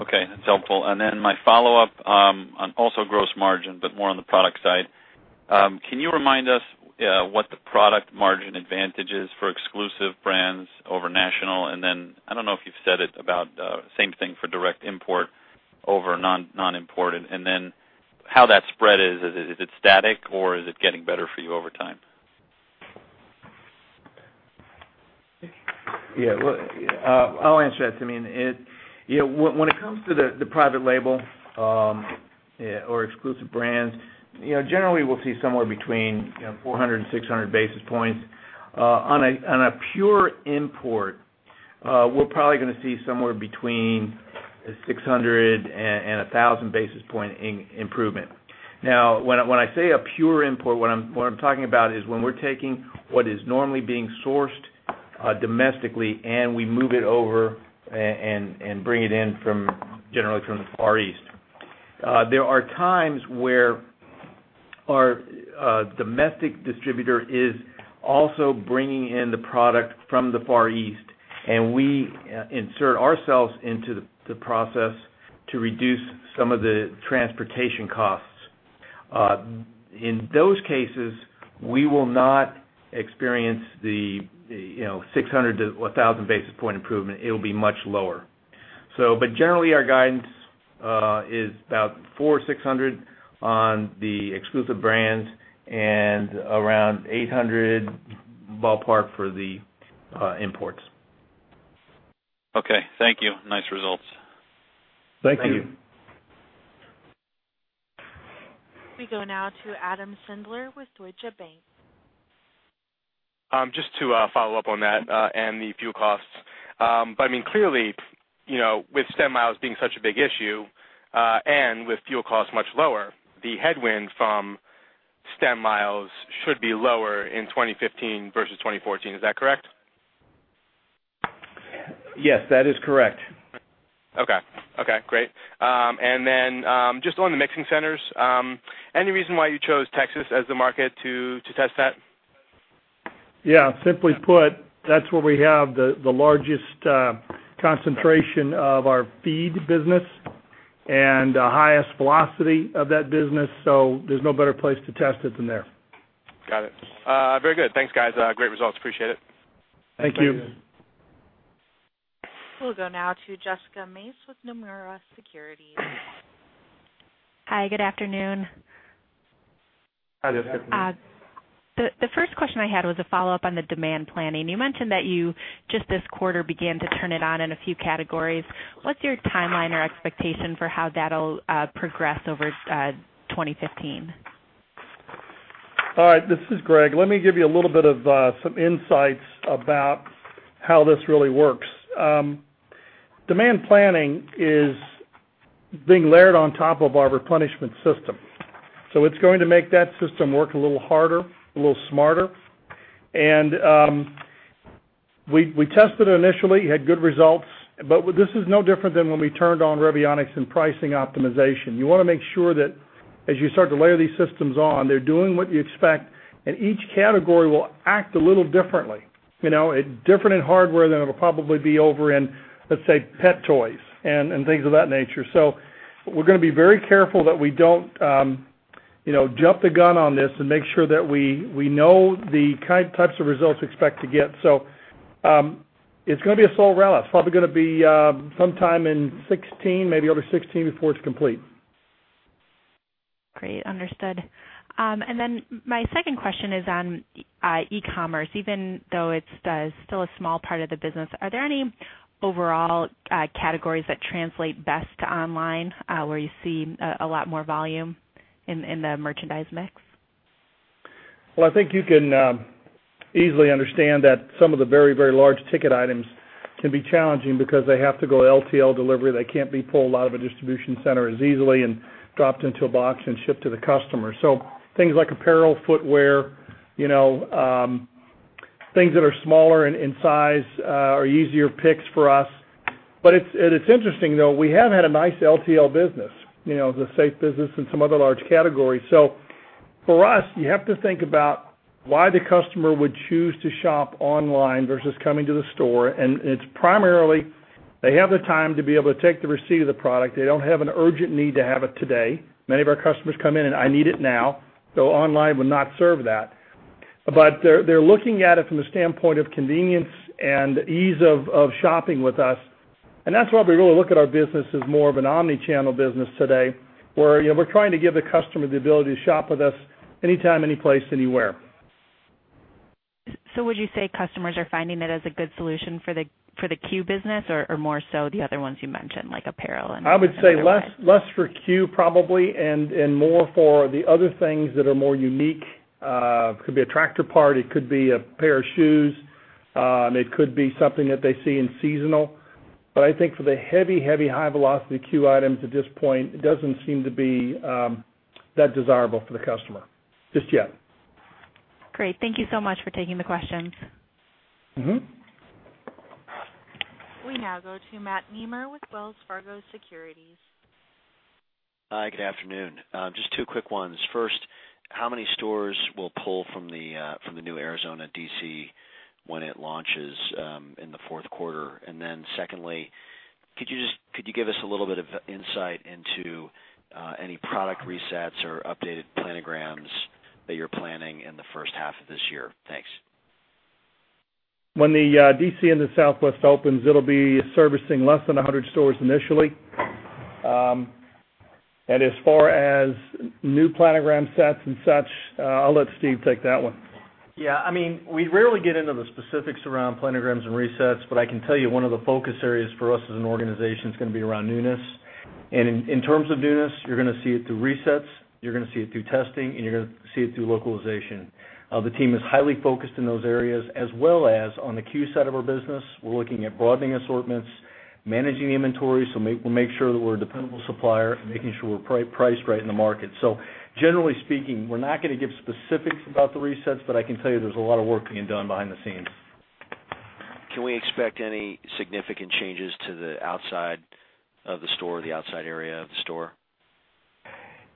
Okay, that's helpful. My follow-up on also gross margin, but more on the product side. Can you remind us what the product margin advantage is for exclusive brands over national? I don't know if you've said it about same thing for direct import over non-imported, how that spread is. Is it static or is it getting better for you over time? Yeah. Well, I'll answer that. When it comes to the private label or exclusive brands, generally, we'll see somewhere between 400 and 600 basis points. On a pure import, we're probably going to see somewhere between 600 and 1,000 basis point improvement. When I say a pure import, what I'm talking about is when we're taking what is normally being sourced domestically and we move it over and bring it in from, generally, from the Far East. There are times where our domestic distributor is also bringing in the product from the Far East, and we insert ourselves into the process to reduce some of the transportation costs. In those cases, we will not experience the 600 to 1,000 basis point improvement. It'll be much lower. Generally, our guidance is about 400 or 600 on the exclusive brands and around 800, ballpark, for the imports. Okay. Thank you. Nice results. Thank you. Thank you. We go now to Adam Sindler with Deutsche Bank. Just to follow up on that and the fuel costs. I mean, clearly, with stem miles being such a big issue, and with fuel costs much lower, the headwind from stem miles should be lower in 2015 versus 2014. Is that correct? Yes, that is correct. Okay. Great. Then, just on the mixing centers, any reason why you chose Texas as the market to test that? Yeah. Simply put, that's where we have the largest concentration of our feed business and the highest velocity of that business. There's no better place to test it than there. Got it. Very good. Thanks, guys. Great results. Appreciate it. Thank you. Thank you. We'll go now to Jessica Mace with Nomura Securities. Hi, good afternoon. Hi, Jessica. The first question I had was a follow-up on the demand planning. You mentioned that you just this quarter began to turn it on in a few categories. What's your timeline or expectation for how that'll progress over 2015? All right. This is Greg. Let me give you a little bit of some insights about how this really works. Demand planning is being layered on top of our replenishment system. It's going to make that system work a little harder, a little smarter. We tested it initially, had good results, but this is no different than when we turned on Revionics and pricing optimization. You want to make sure that as you start to layer these systems on, they're doing what you expect, and each category will act a little differently. Different in hardware than it'll probably be over in, let's say, pet toys and things of that nature. We're going to be very careful that we don't jump the gun on this and make sure that we know the types of results we expect to get. It's going to be a slow rollout. It's probably going to be sometime in 2016, maybe over 2016 before it's complete. Great. Understood. My second question is on e-commerce, even though it's still a small part of the business. Are there any overall categories that translate best to online where you see a lot more volume in the merchandise mix? Well, I think you can easily understand that some of the very large ticket items can be challenging because they have to go LTL delivery. They can't be pulled out of a distribution center as easily and dropped into a box and shipped to the customer. Things like apparel, footwear, things that are smaller in size are easier picks for us. It's interesting, though. We have had a nice LTL business. The safe business and some other large categories. For us, you have to think about why the customer would choose to shop online versus coming to the store. It's primarily, they have the time to be able to take the receipt of the product. They don't have an urgent need to have it today. Many of our customers come in and, "I need it now," so online would not serve that. They're looking at it from the standpoint of convenience and ease of shopping with us. That's why we really look at our business as more of an omni-channel business today, where we're trying to give the customer the ability to shop with us anytime, any place, anywhere. Would you say customers are finding it as a good solution for the C.U.E. business or more so the other ones you mentioned, like apparel and other ones? I would say less for C.U.E. probably, and more for the other things that are more unique. Could be a tractor part, it could be a pair of shoes, it could be something that they see in seasonal. I think for the heavy high-velocity C.U.E. items at this point, it doesn't seem to be that desirable for the customer just yet. Great. Thank you so much for taking the questions. We now go to Matt Nemer with Wells Fargo Securities. Hi, good afternoon. Just two quick ones. First, how many stores will pull from the new Arizona DC when it launches in the fourth quarter? Secondly, could you give us a little bit of insight into any product resets or updated planograms that you're planning in the first half of this year? Thanks. When the DC in the Southwest opens, it'll be servicing less than 100 stores initially. As far as new planogram sets and such, I'll let Steve take that one. Yeah, we rarely get into the specifics around planograms and resets, but I can tell you one of the focus areas for us as an organization is going to be around newness. In terms of newness, you're going to see it through resets, you're going to see it through testing, and you're going to see it through localization. The team is highly focused in those areas, as well as on the C.U.E. side of our business. We're looking at broadening assortments, managing inventory, so we'll make sure that we're a dependable supplier and making sure we're priced right in the market. Generally speaking, we're not going to give specifics about the resets, but I can tell you there's a lot of work being done behind the scenes. Can we expect any significant changes to the outside of the store or the outside area of the store?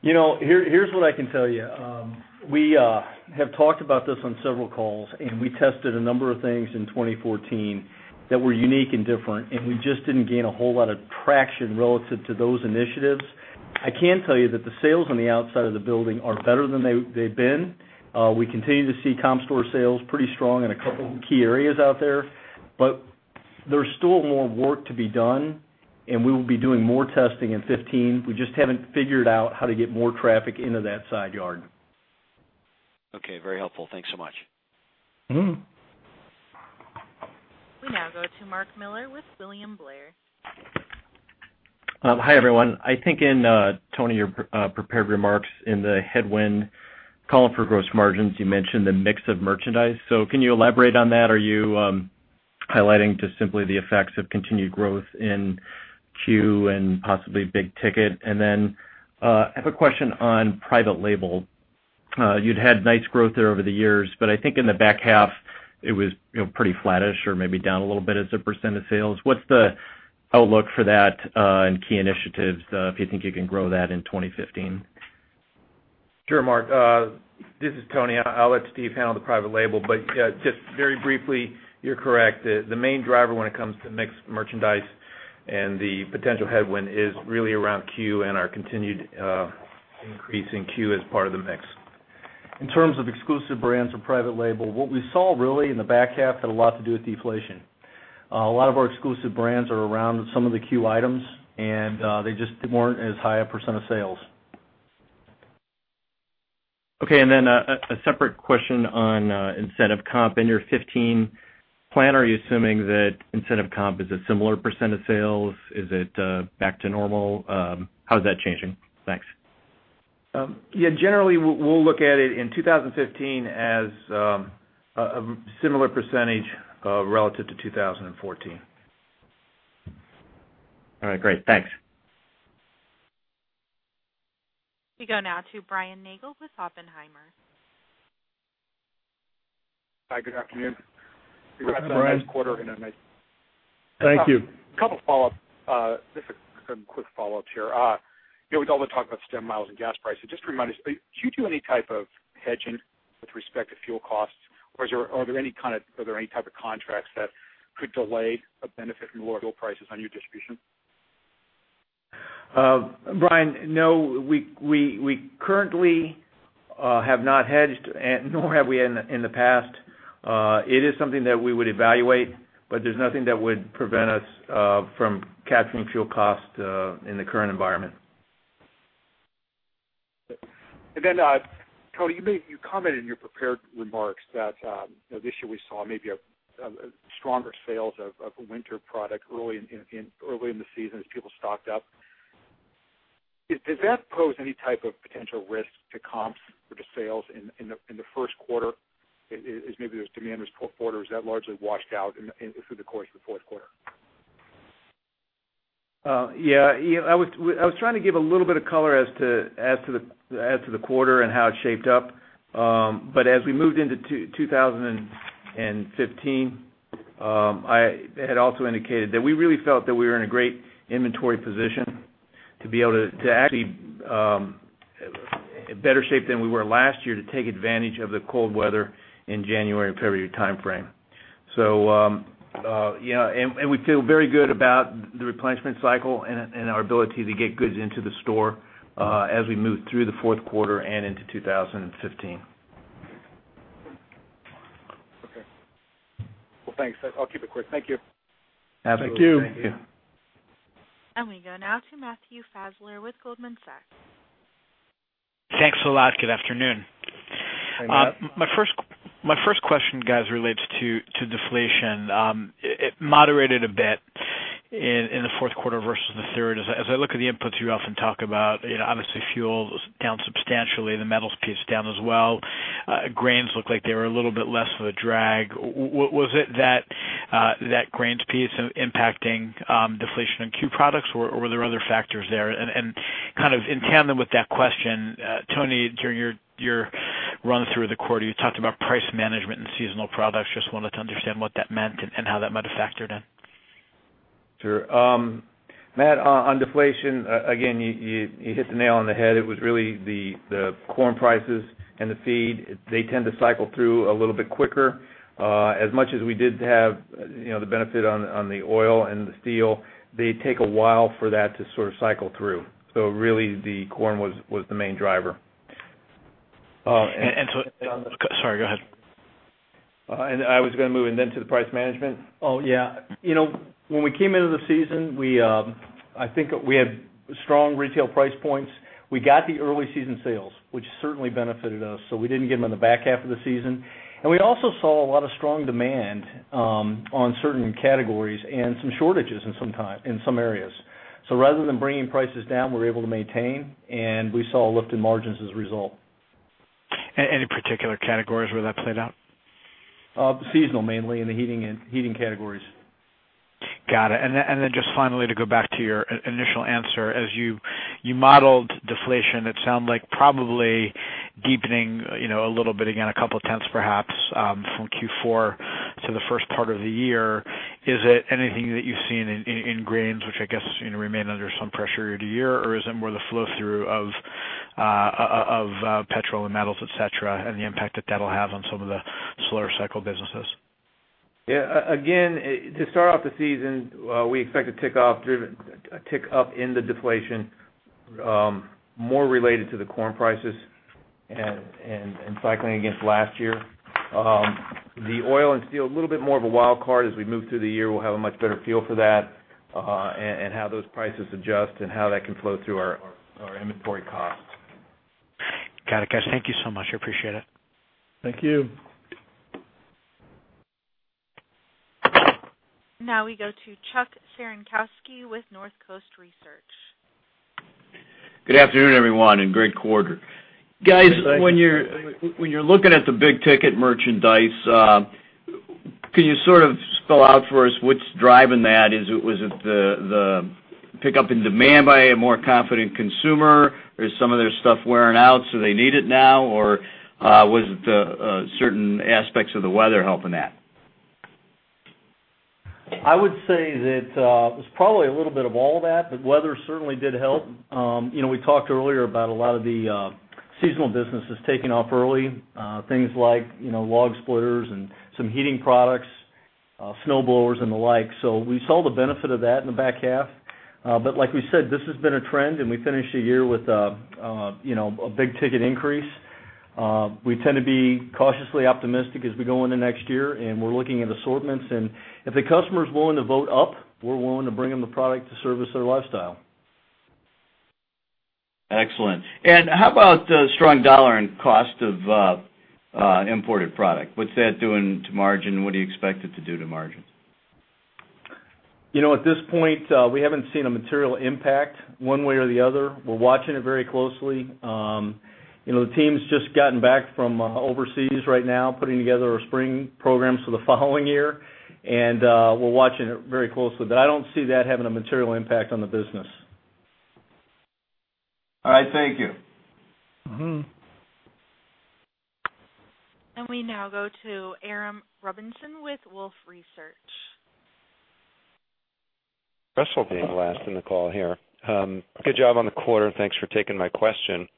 Here's what I can tell you. We have talked about this on several calls, and we tested a number of things in 2014 that were unique and different, and we just didn't gain a whole lot of traction relative to those initiatives. I can tell you that the sales on the outside of the building are better than they've been. We continue to see comp store sales pretty strong in a couple key areas out there, but there's still more work to be done, and we will be doing more testing in 2015. We just haven't figured out how to get more traffic into that side yard. Okay. Very helpful. Thanks so much. We now go to Mark Miller with William Blair. Hi, everyone. I think Tony, your prepared remarks in the headwind column for gross margins, you mentioned the mix of merchandise. Can you elaborate on that? Are you highlighting just simply the effects of continued growth in C.U.E. and possibly big ticket? I have a question on private label. You'd had nice growth there over the years, I think in the back half it was pretty flattish or maybe down a little bit as a percent of sales. What's the outlook for that and key initiatives if you think you can grow that in 2015? Sure, Mark. This is Tony. I'll let Steve handle the private label, just very briefly, you're correct. The main driver when it comes to mixed merchandise and the potential headwind is really around C.U.E. and our continued increase in C.U.E. as part of the mix. In terms of exclusive brands or private label, what we saw really in the back half had a lot to do with deflation. A lot of our exclusive brands are around some of the C.U.E. items, they just weren't as high a percent of sales. Okay, a separate question on incentive comp. In your 2015 plan, are you assuming that incentive comp is a similar percent of sales? Is it back to normal? How is that changing? Thanks. Yeah, generally, we'll look at it in 2015 as a similar % relative to 2014. All right, great. Thanks. We go now to Brian Nagel with Oppenheimer. Hi, good afternoon. Hi, Brian. Congrats on a nice quarter and a nice- Thank you. A couple follow-up, just some quick follow-ups here. With all the talk about stem miles and gas prices, just remind us, do you do any type of hedging with respect to fuel costs, or are there any type of contracts that could delay a benefit from lower fuel prices on your distribution? Brian, no. We currently have not hedged, nor have we in the past. It is something that we would evaluate, but there's nothing that would prevent us from capturing fuel cost in the current environment. Tony, you commented in your prepared remarks that this year we saw maybe stronger sales of winter product early in the season as people stocked up. Does that pose any type of potential risk to comps or to sales in the first quarter as maybe there's demand this quarter, or is that largely washed out through the course of the fourth quarter? Yeah. I was trying to give a little bit of color as to the quarter and how it shaped up. As we moved into 2015 I had also indicated that we really felt that we were in a great inventory position to be able to actually better shape than we were last year to take advantage of the cold weather in January, February timeframe. We feel very good about the replenishment cycle and our ability to get goods into the store, as we move through the fourth quarter and into 2015. Okay. Well, thanks. I'll keep it quick. Thank you. Absolutely. Thank you. Thank you. We go now to Matthew Fassler with Goldman Sachs. Thanks a lot. Good afternoon. Hey, Matt. My first question, guys, relates to deflation. It moderated a bit in the fourth quarter versus the third. As I look at the inputs you often talk about, obviously fuel was down substantially. The metals piece down as well. Grains look like they were a little bit less of a drag. Was it that grains piece impacting deflation in C.U.E. Products, or were there other factors there? Kind of in tandem with that question, Tony, during your run through the quarter, you talked about price management and seasonal products. Just wanted to understand what that meant and how that might've factored in. Sure. Matt, on deflation, again, you hit the nail on the head. It was really the corn prices and the feed. They tend to cycle through a little bit quicker. As much as we did have the benefit on the oil and the steel, they take a while for that to sort of cycle through. Really, the corn was the main driver. Sorry, go ahead. I was going to move and then to the price management. Oh, yeah. When we came into the season, I think we had strong retail price points. We got the early season sales, which certainly benefited us. We didn't get them in the back half of the season. We also saw a lot of strong demand on certain categories and some shortages in some areas. Rather than bringing prices down, we were able to maintain, and we saw a lift in margins as a result. Any particular categories where that played out? Seasonal mainly in the heating categories. Got it. Then just finally to go back to your initial answer, as you modeled deflation, it sounded like probably deepening a little bit, again, a couple tenths perhaps, from Q4 to the first part of the year. Is it anything that you've seen in grains, which I guess remain under some pressure year-to-year? Or is it more the flow-through of petrol and metals, et cetera, and the impact that that'll have on some of the slower cycle businesses? Again, to start off the season, we expect a tick up in the deflation, more related to the corn prices and cycling against last year. The oil and steel, a little bit more of a wild card as we move through the year. We'll have a much better feel for that and how those prices adjust and how that can flow through our inventory costs. Got it, guys. Thank you so much. I appreciate it. Thank you. Now we go to Chuck Cerankosky with Northcoast Research. Good afternoon, everyone. Great quarter. Thanks. Guys, when you're looking at the big-ticket merchandise, can you sort of spell out for us what's driving that? Was it the pickup in demand by a more confident consumer? Is some of their stuff wearing out, so they need it now? Or was it certain aspects of the weather helping that? I would say that it was probably a little bit of all of that, but weather certainly did help. We talked earlier about a lot of the seasonal businesses taking off early, things like log splitters and some heating products, snow blowers, and the like. We saw the benefit of that in the back half. Like we said, this has been a trend, and we finished the year with a big-ticket increase. We tend to be cautiously optimistic as we go into next year, and we're looking at assortments. If the customer's willing to vote up, we're willing to bring them the product to service their lifestyle. Excellent. How about strong dollar and cost of imported product? What's that doing to margin? What do you expect it to do to margin? At this point, we haven't seen a material impact one way or the other. We're watching it very closely. The team's just gotten back from overseas right now, putting together our spring programs for the following year. We're watching it very closely. I don't see that having a material impact on the business. All right. Thank you. We now go to Aram Rubinson with Wolfe Research. Special being last in the call here. Good job on the quarter, and thanks for taking my question.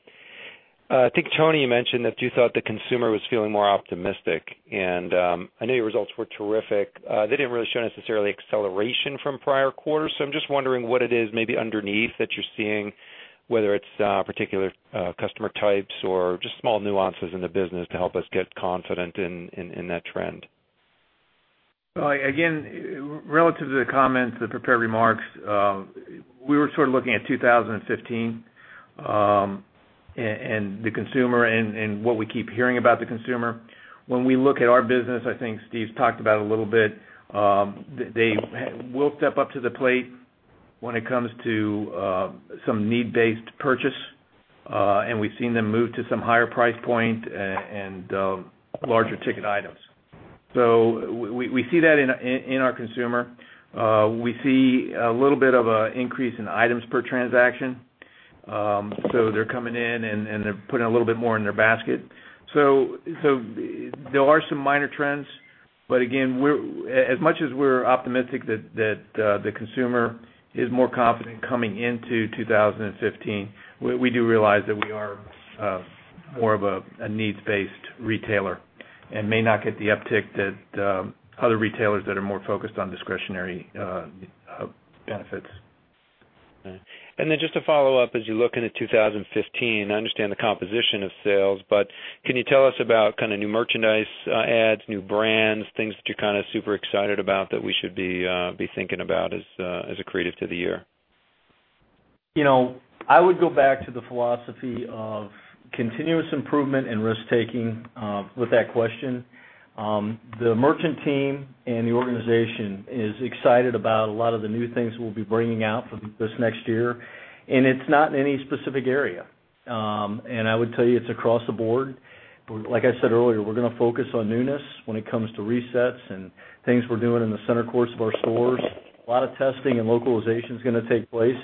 I think, Tony, you mentioned that you thought the consumer was feeling more optimistic. I know your results were terrific. They didn't really show necessarily acceleration from prior quarters. I'm just wondering what it is maybe underneath that you're seeing, whether it's particular customer types or just small nuances in the business to help us get confident in that trend. Again, relative to the comments, the prepared remarks, we were sort of looking at 2015, and the consumer and what we keep hearing about the consumer. When we look at our business, I think Steve's talked about a little bit, they will step up to the plate when it comes to some need-based purchase. We've seen them move to some higher price point and larger ticket items. We see that in our consumer. We see a little bit of an increase in items per transaction They're coming in and they're putting a little bit more in their basket. There are some minor trends, but again, as much as we're optimistic that the consumer is more confident coming into 2015, we do realize that we are more of a needs-based retailer and may not get the uptick that other retailers that are more focused on discretionary benefits. Okay. Then just to follow up, as you look into 2015, I understand the composition of sales, but can you tell us about kind of new merchandise adds, new brands, things that you're kind of super excited about that we should be thinking about as it relates to the year? I would go back to the philosophy of continuous improvement and risk-taking with that question. The merchant team and the organization is excited about a lot of the new things we'll be bringing out for this next year, and it's not in any specific area. I would tell you it's across the board. Like I said earlier, we're going to focus on newness when it comes to resets and things we're doing in the center core of our stores. A lot of testing and localization is going to take place,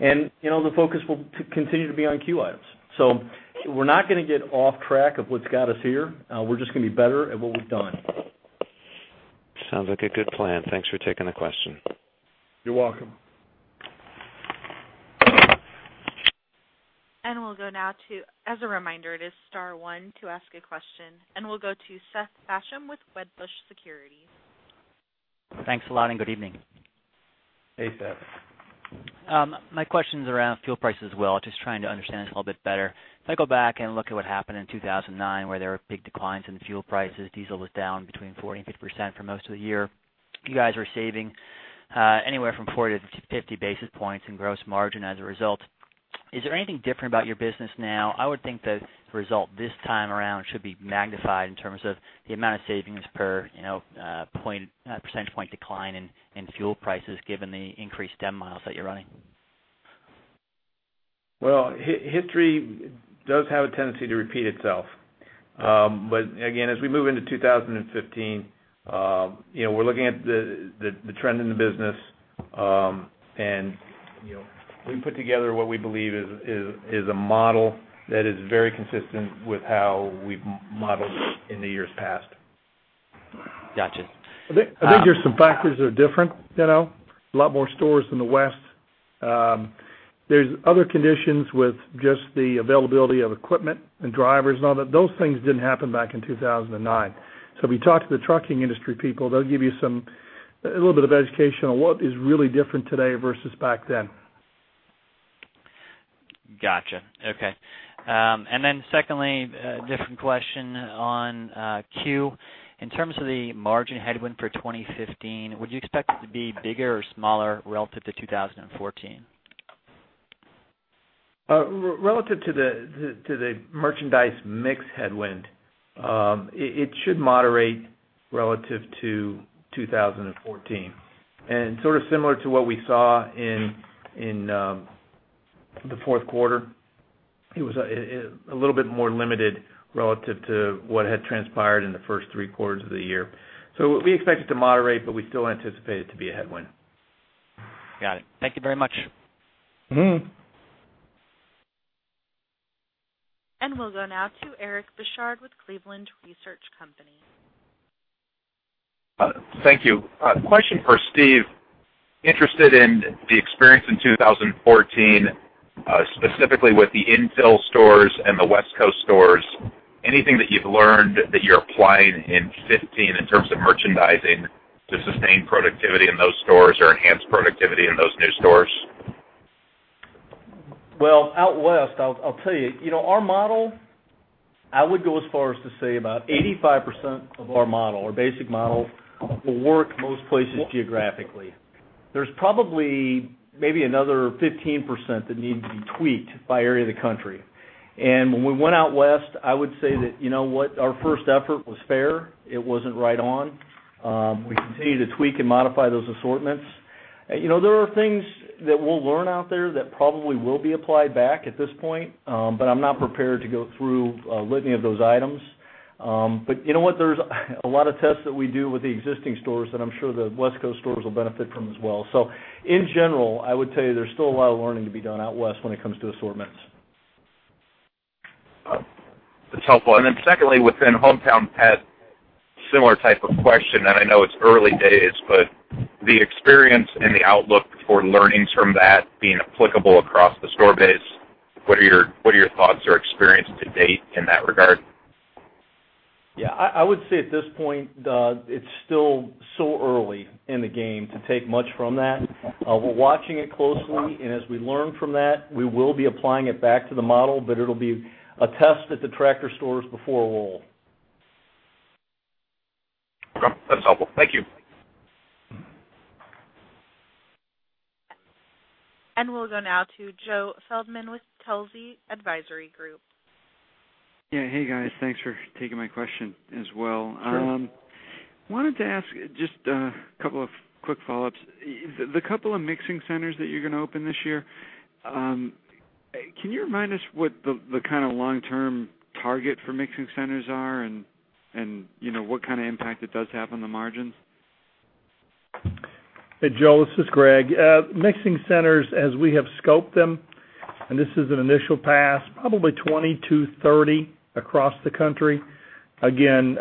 and the focus will continue to be on CUE items. We're not going to get off track of what's got us here. We're just going to be better at what we've done. Sounds like a good plan. Thanks for taking the question. You're welcome. As a reminder, it is star one to ask a question, and we will go to Seth Basham with Wedbush Securities. Thanks a lot, and good evening. Hey, Seth. My question's around fuel prices, as well, just trying to understand this a little bit better. If I go back and look at what happened in 2009, where there were big declines in the fuel prices, diesel was down between 40% and 50% for most of the year. You guys were saving anywhere from 40 to 50 basis points in gross margin as a result. Is there anything different about your business now? I would think the result this time around should be magnified in terms of the amount of savings per percentage point decline in fuel prices, given the increased stem miles that you're running. History does have a tendency to repeat itself. Again, as we move into 2015, we're looking at the trend in the business, and we put together what we believe is a model that is very consistent with how we've modeled in the years past. Gotcha. I think there's some factors that are different. A lot more stores in the West. There's other conditions with just the availability of equipment and drivers and all that. Those things didn't happen back in 2009. So if you talk to the trucking industry people, they'll give you a little bit of education on what is really different today versus back then. I think there's some factors that are different. A lot more stores in the West. There's other conditions with just the availability of equipment and drivers and all that. Those things didn't happen back in 2009. If you talk to the trucking industry people, they'll give you a little bit of education on what is really different today versus back then. Relative to the merchandise mix headwind, it should moderate relative to 2014. Sort of similar to what we saw in the fourth quarter, it was a little bit more limited relative to what had transpired in the first three quarters of the year. We expect it to moderate, but we still anticipate it to be a headwind. Got it. Thank you very much. We'll go now to Eric Bouchard with Cleveland Research Company. Thank you. A question for Steve. Interested in the experience in 2014, specifically with the infill stores and the West Coast stores. Anything that you've learned that you're applying in 2015 in terms of merchandising to sustain productivity in those stores or enhance productivity in those new stores? Out West, I'll tell you, our model, I would go as far as to say about 85% of our model, our basic model, will work most places geographically. There's probably maybe another 15% that needs to be tweaked by area of the country. When we went out West, I would say that our first effort was fair. It wasn't right on. We continue to tweak and modify those assortments. There are things that we'll learn out there that probably will be applied back at this point, I'm not prepared to go through a litany of those items. You know what, there's a lot of tests that we do with the existing stores that I'm sure the West Coast stores will benefit from as well. In general, I would tell you there's still a lot of learning to be done out West when it comes to assortments. Secondly, within HomeTown Pet, similar type of question, and I know it's early days, but the experience and the outlook for learnings from that being applicable across the store base, what are your thoughts or experience to date in that regard? I would say at this point, it's still so early in the game to take much from that. We're watching it closely, and as we learn from that, we will be applying it back to the model, but it'll be a test at the Tractor stores before we'll That's helpful. Thank you. We'll go now to Joseph Feldman with Telsey Advisory Group. Yeah. Hey, guys. Thanks for taking my question as well. Sure. Wanted to ask just a couple of quick follow-ups. The couple of mixing centers that you're going to open this year, can you remind us what the kind of long-term target for mixing centers are and what kind of impact it does have on the margins? Hey, Joe, this is Greg. Mixing centers as we have scoped them, and this is an initial pass, probably 20-30 across the country. Again,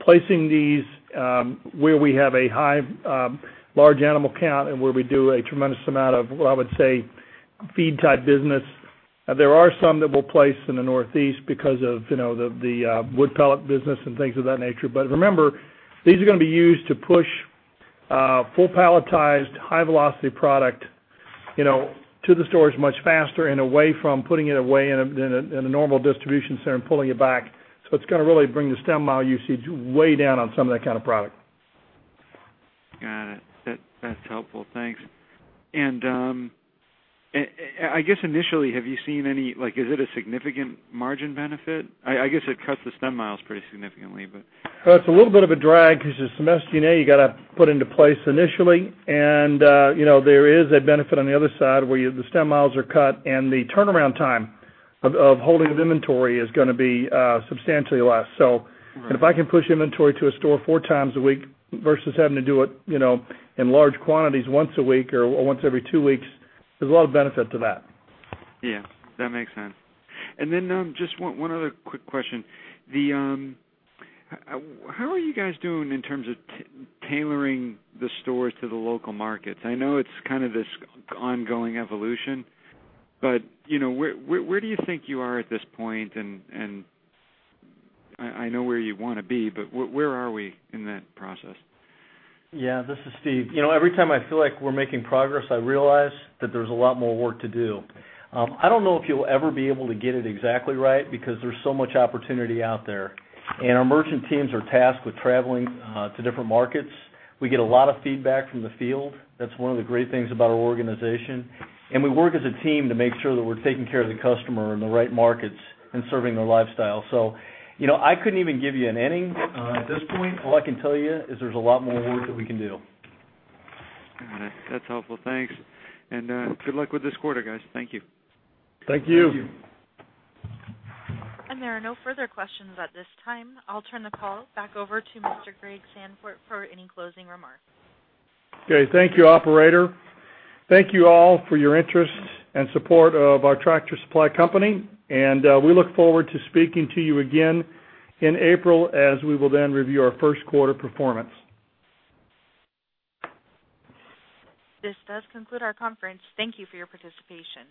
placing these where we have a large animal count and where we do a tremendous amount of, I would say, feed-type business. There are some that we'll place in the Northeast because of the wood pellet business and things of that nature. Remember, these are going to be used to push full palletized, high-velocity product to the stores much faster and away from putting it away in a normal distribution center and pulling it back. It's going to really bring the stem mile usage way down on some of that kind of product. Got it. That's helpful. Thanks. I guess initially, is it a significant margin benefit? I guess it cuts the stem miles pretty significantly, but. Well, it's a little bit of a drag because the system, you know, you got to put into place initially, and there is a benefit on the other side where the stem miles are cut and the turnaround time of holding of inventory is going to be substantially less. Right If I can push inventory to a store four times a week versus having to do it in large quantities once a week or once every two weeks, there's a lot of benefit to that. Yeah, that makes sense. Then just one other quick question. How are you guys doing in terms of tailoring the stores to the local markets? I know it's kind of this ongoing evolution, but where do you think you are at this point? I know where you want to be, but where are we in that process? Yeah, this is Steve. Every time I feel like we're making progress, I realize that there's a lot more work to do. I don't know if you'll ever be able to get it exactly right because there's so much opportunity out there. Our merchant teams are tasked with traveling to different markets. We get a lot of feedback from the field. That's one of the great things about our organization, and we work as a team to make sure that we're taking care of the customer in the right markets and serving their lifestyle. I couldn't even give you an ending at this point. All I can tell you is there's a lot more work that we can do. Got it. That's helpful. Thanks. Good luck with this quarter, guys. Thank you. Thank you. Thank you. There are no further questions at this time. I'll turn the call back over to Mr. Greg Sandfort for any closing remarks. Okay. Thank you, operator. Thank you all for your interest and support of our Tractor Supply Company. We look forward to speaking to you again in April as we will then review our first-quarter performance. This does conclude our conference. Thank you for your participation.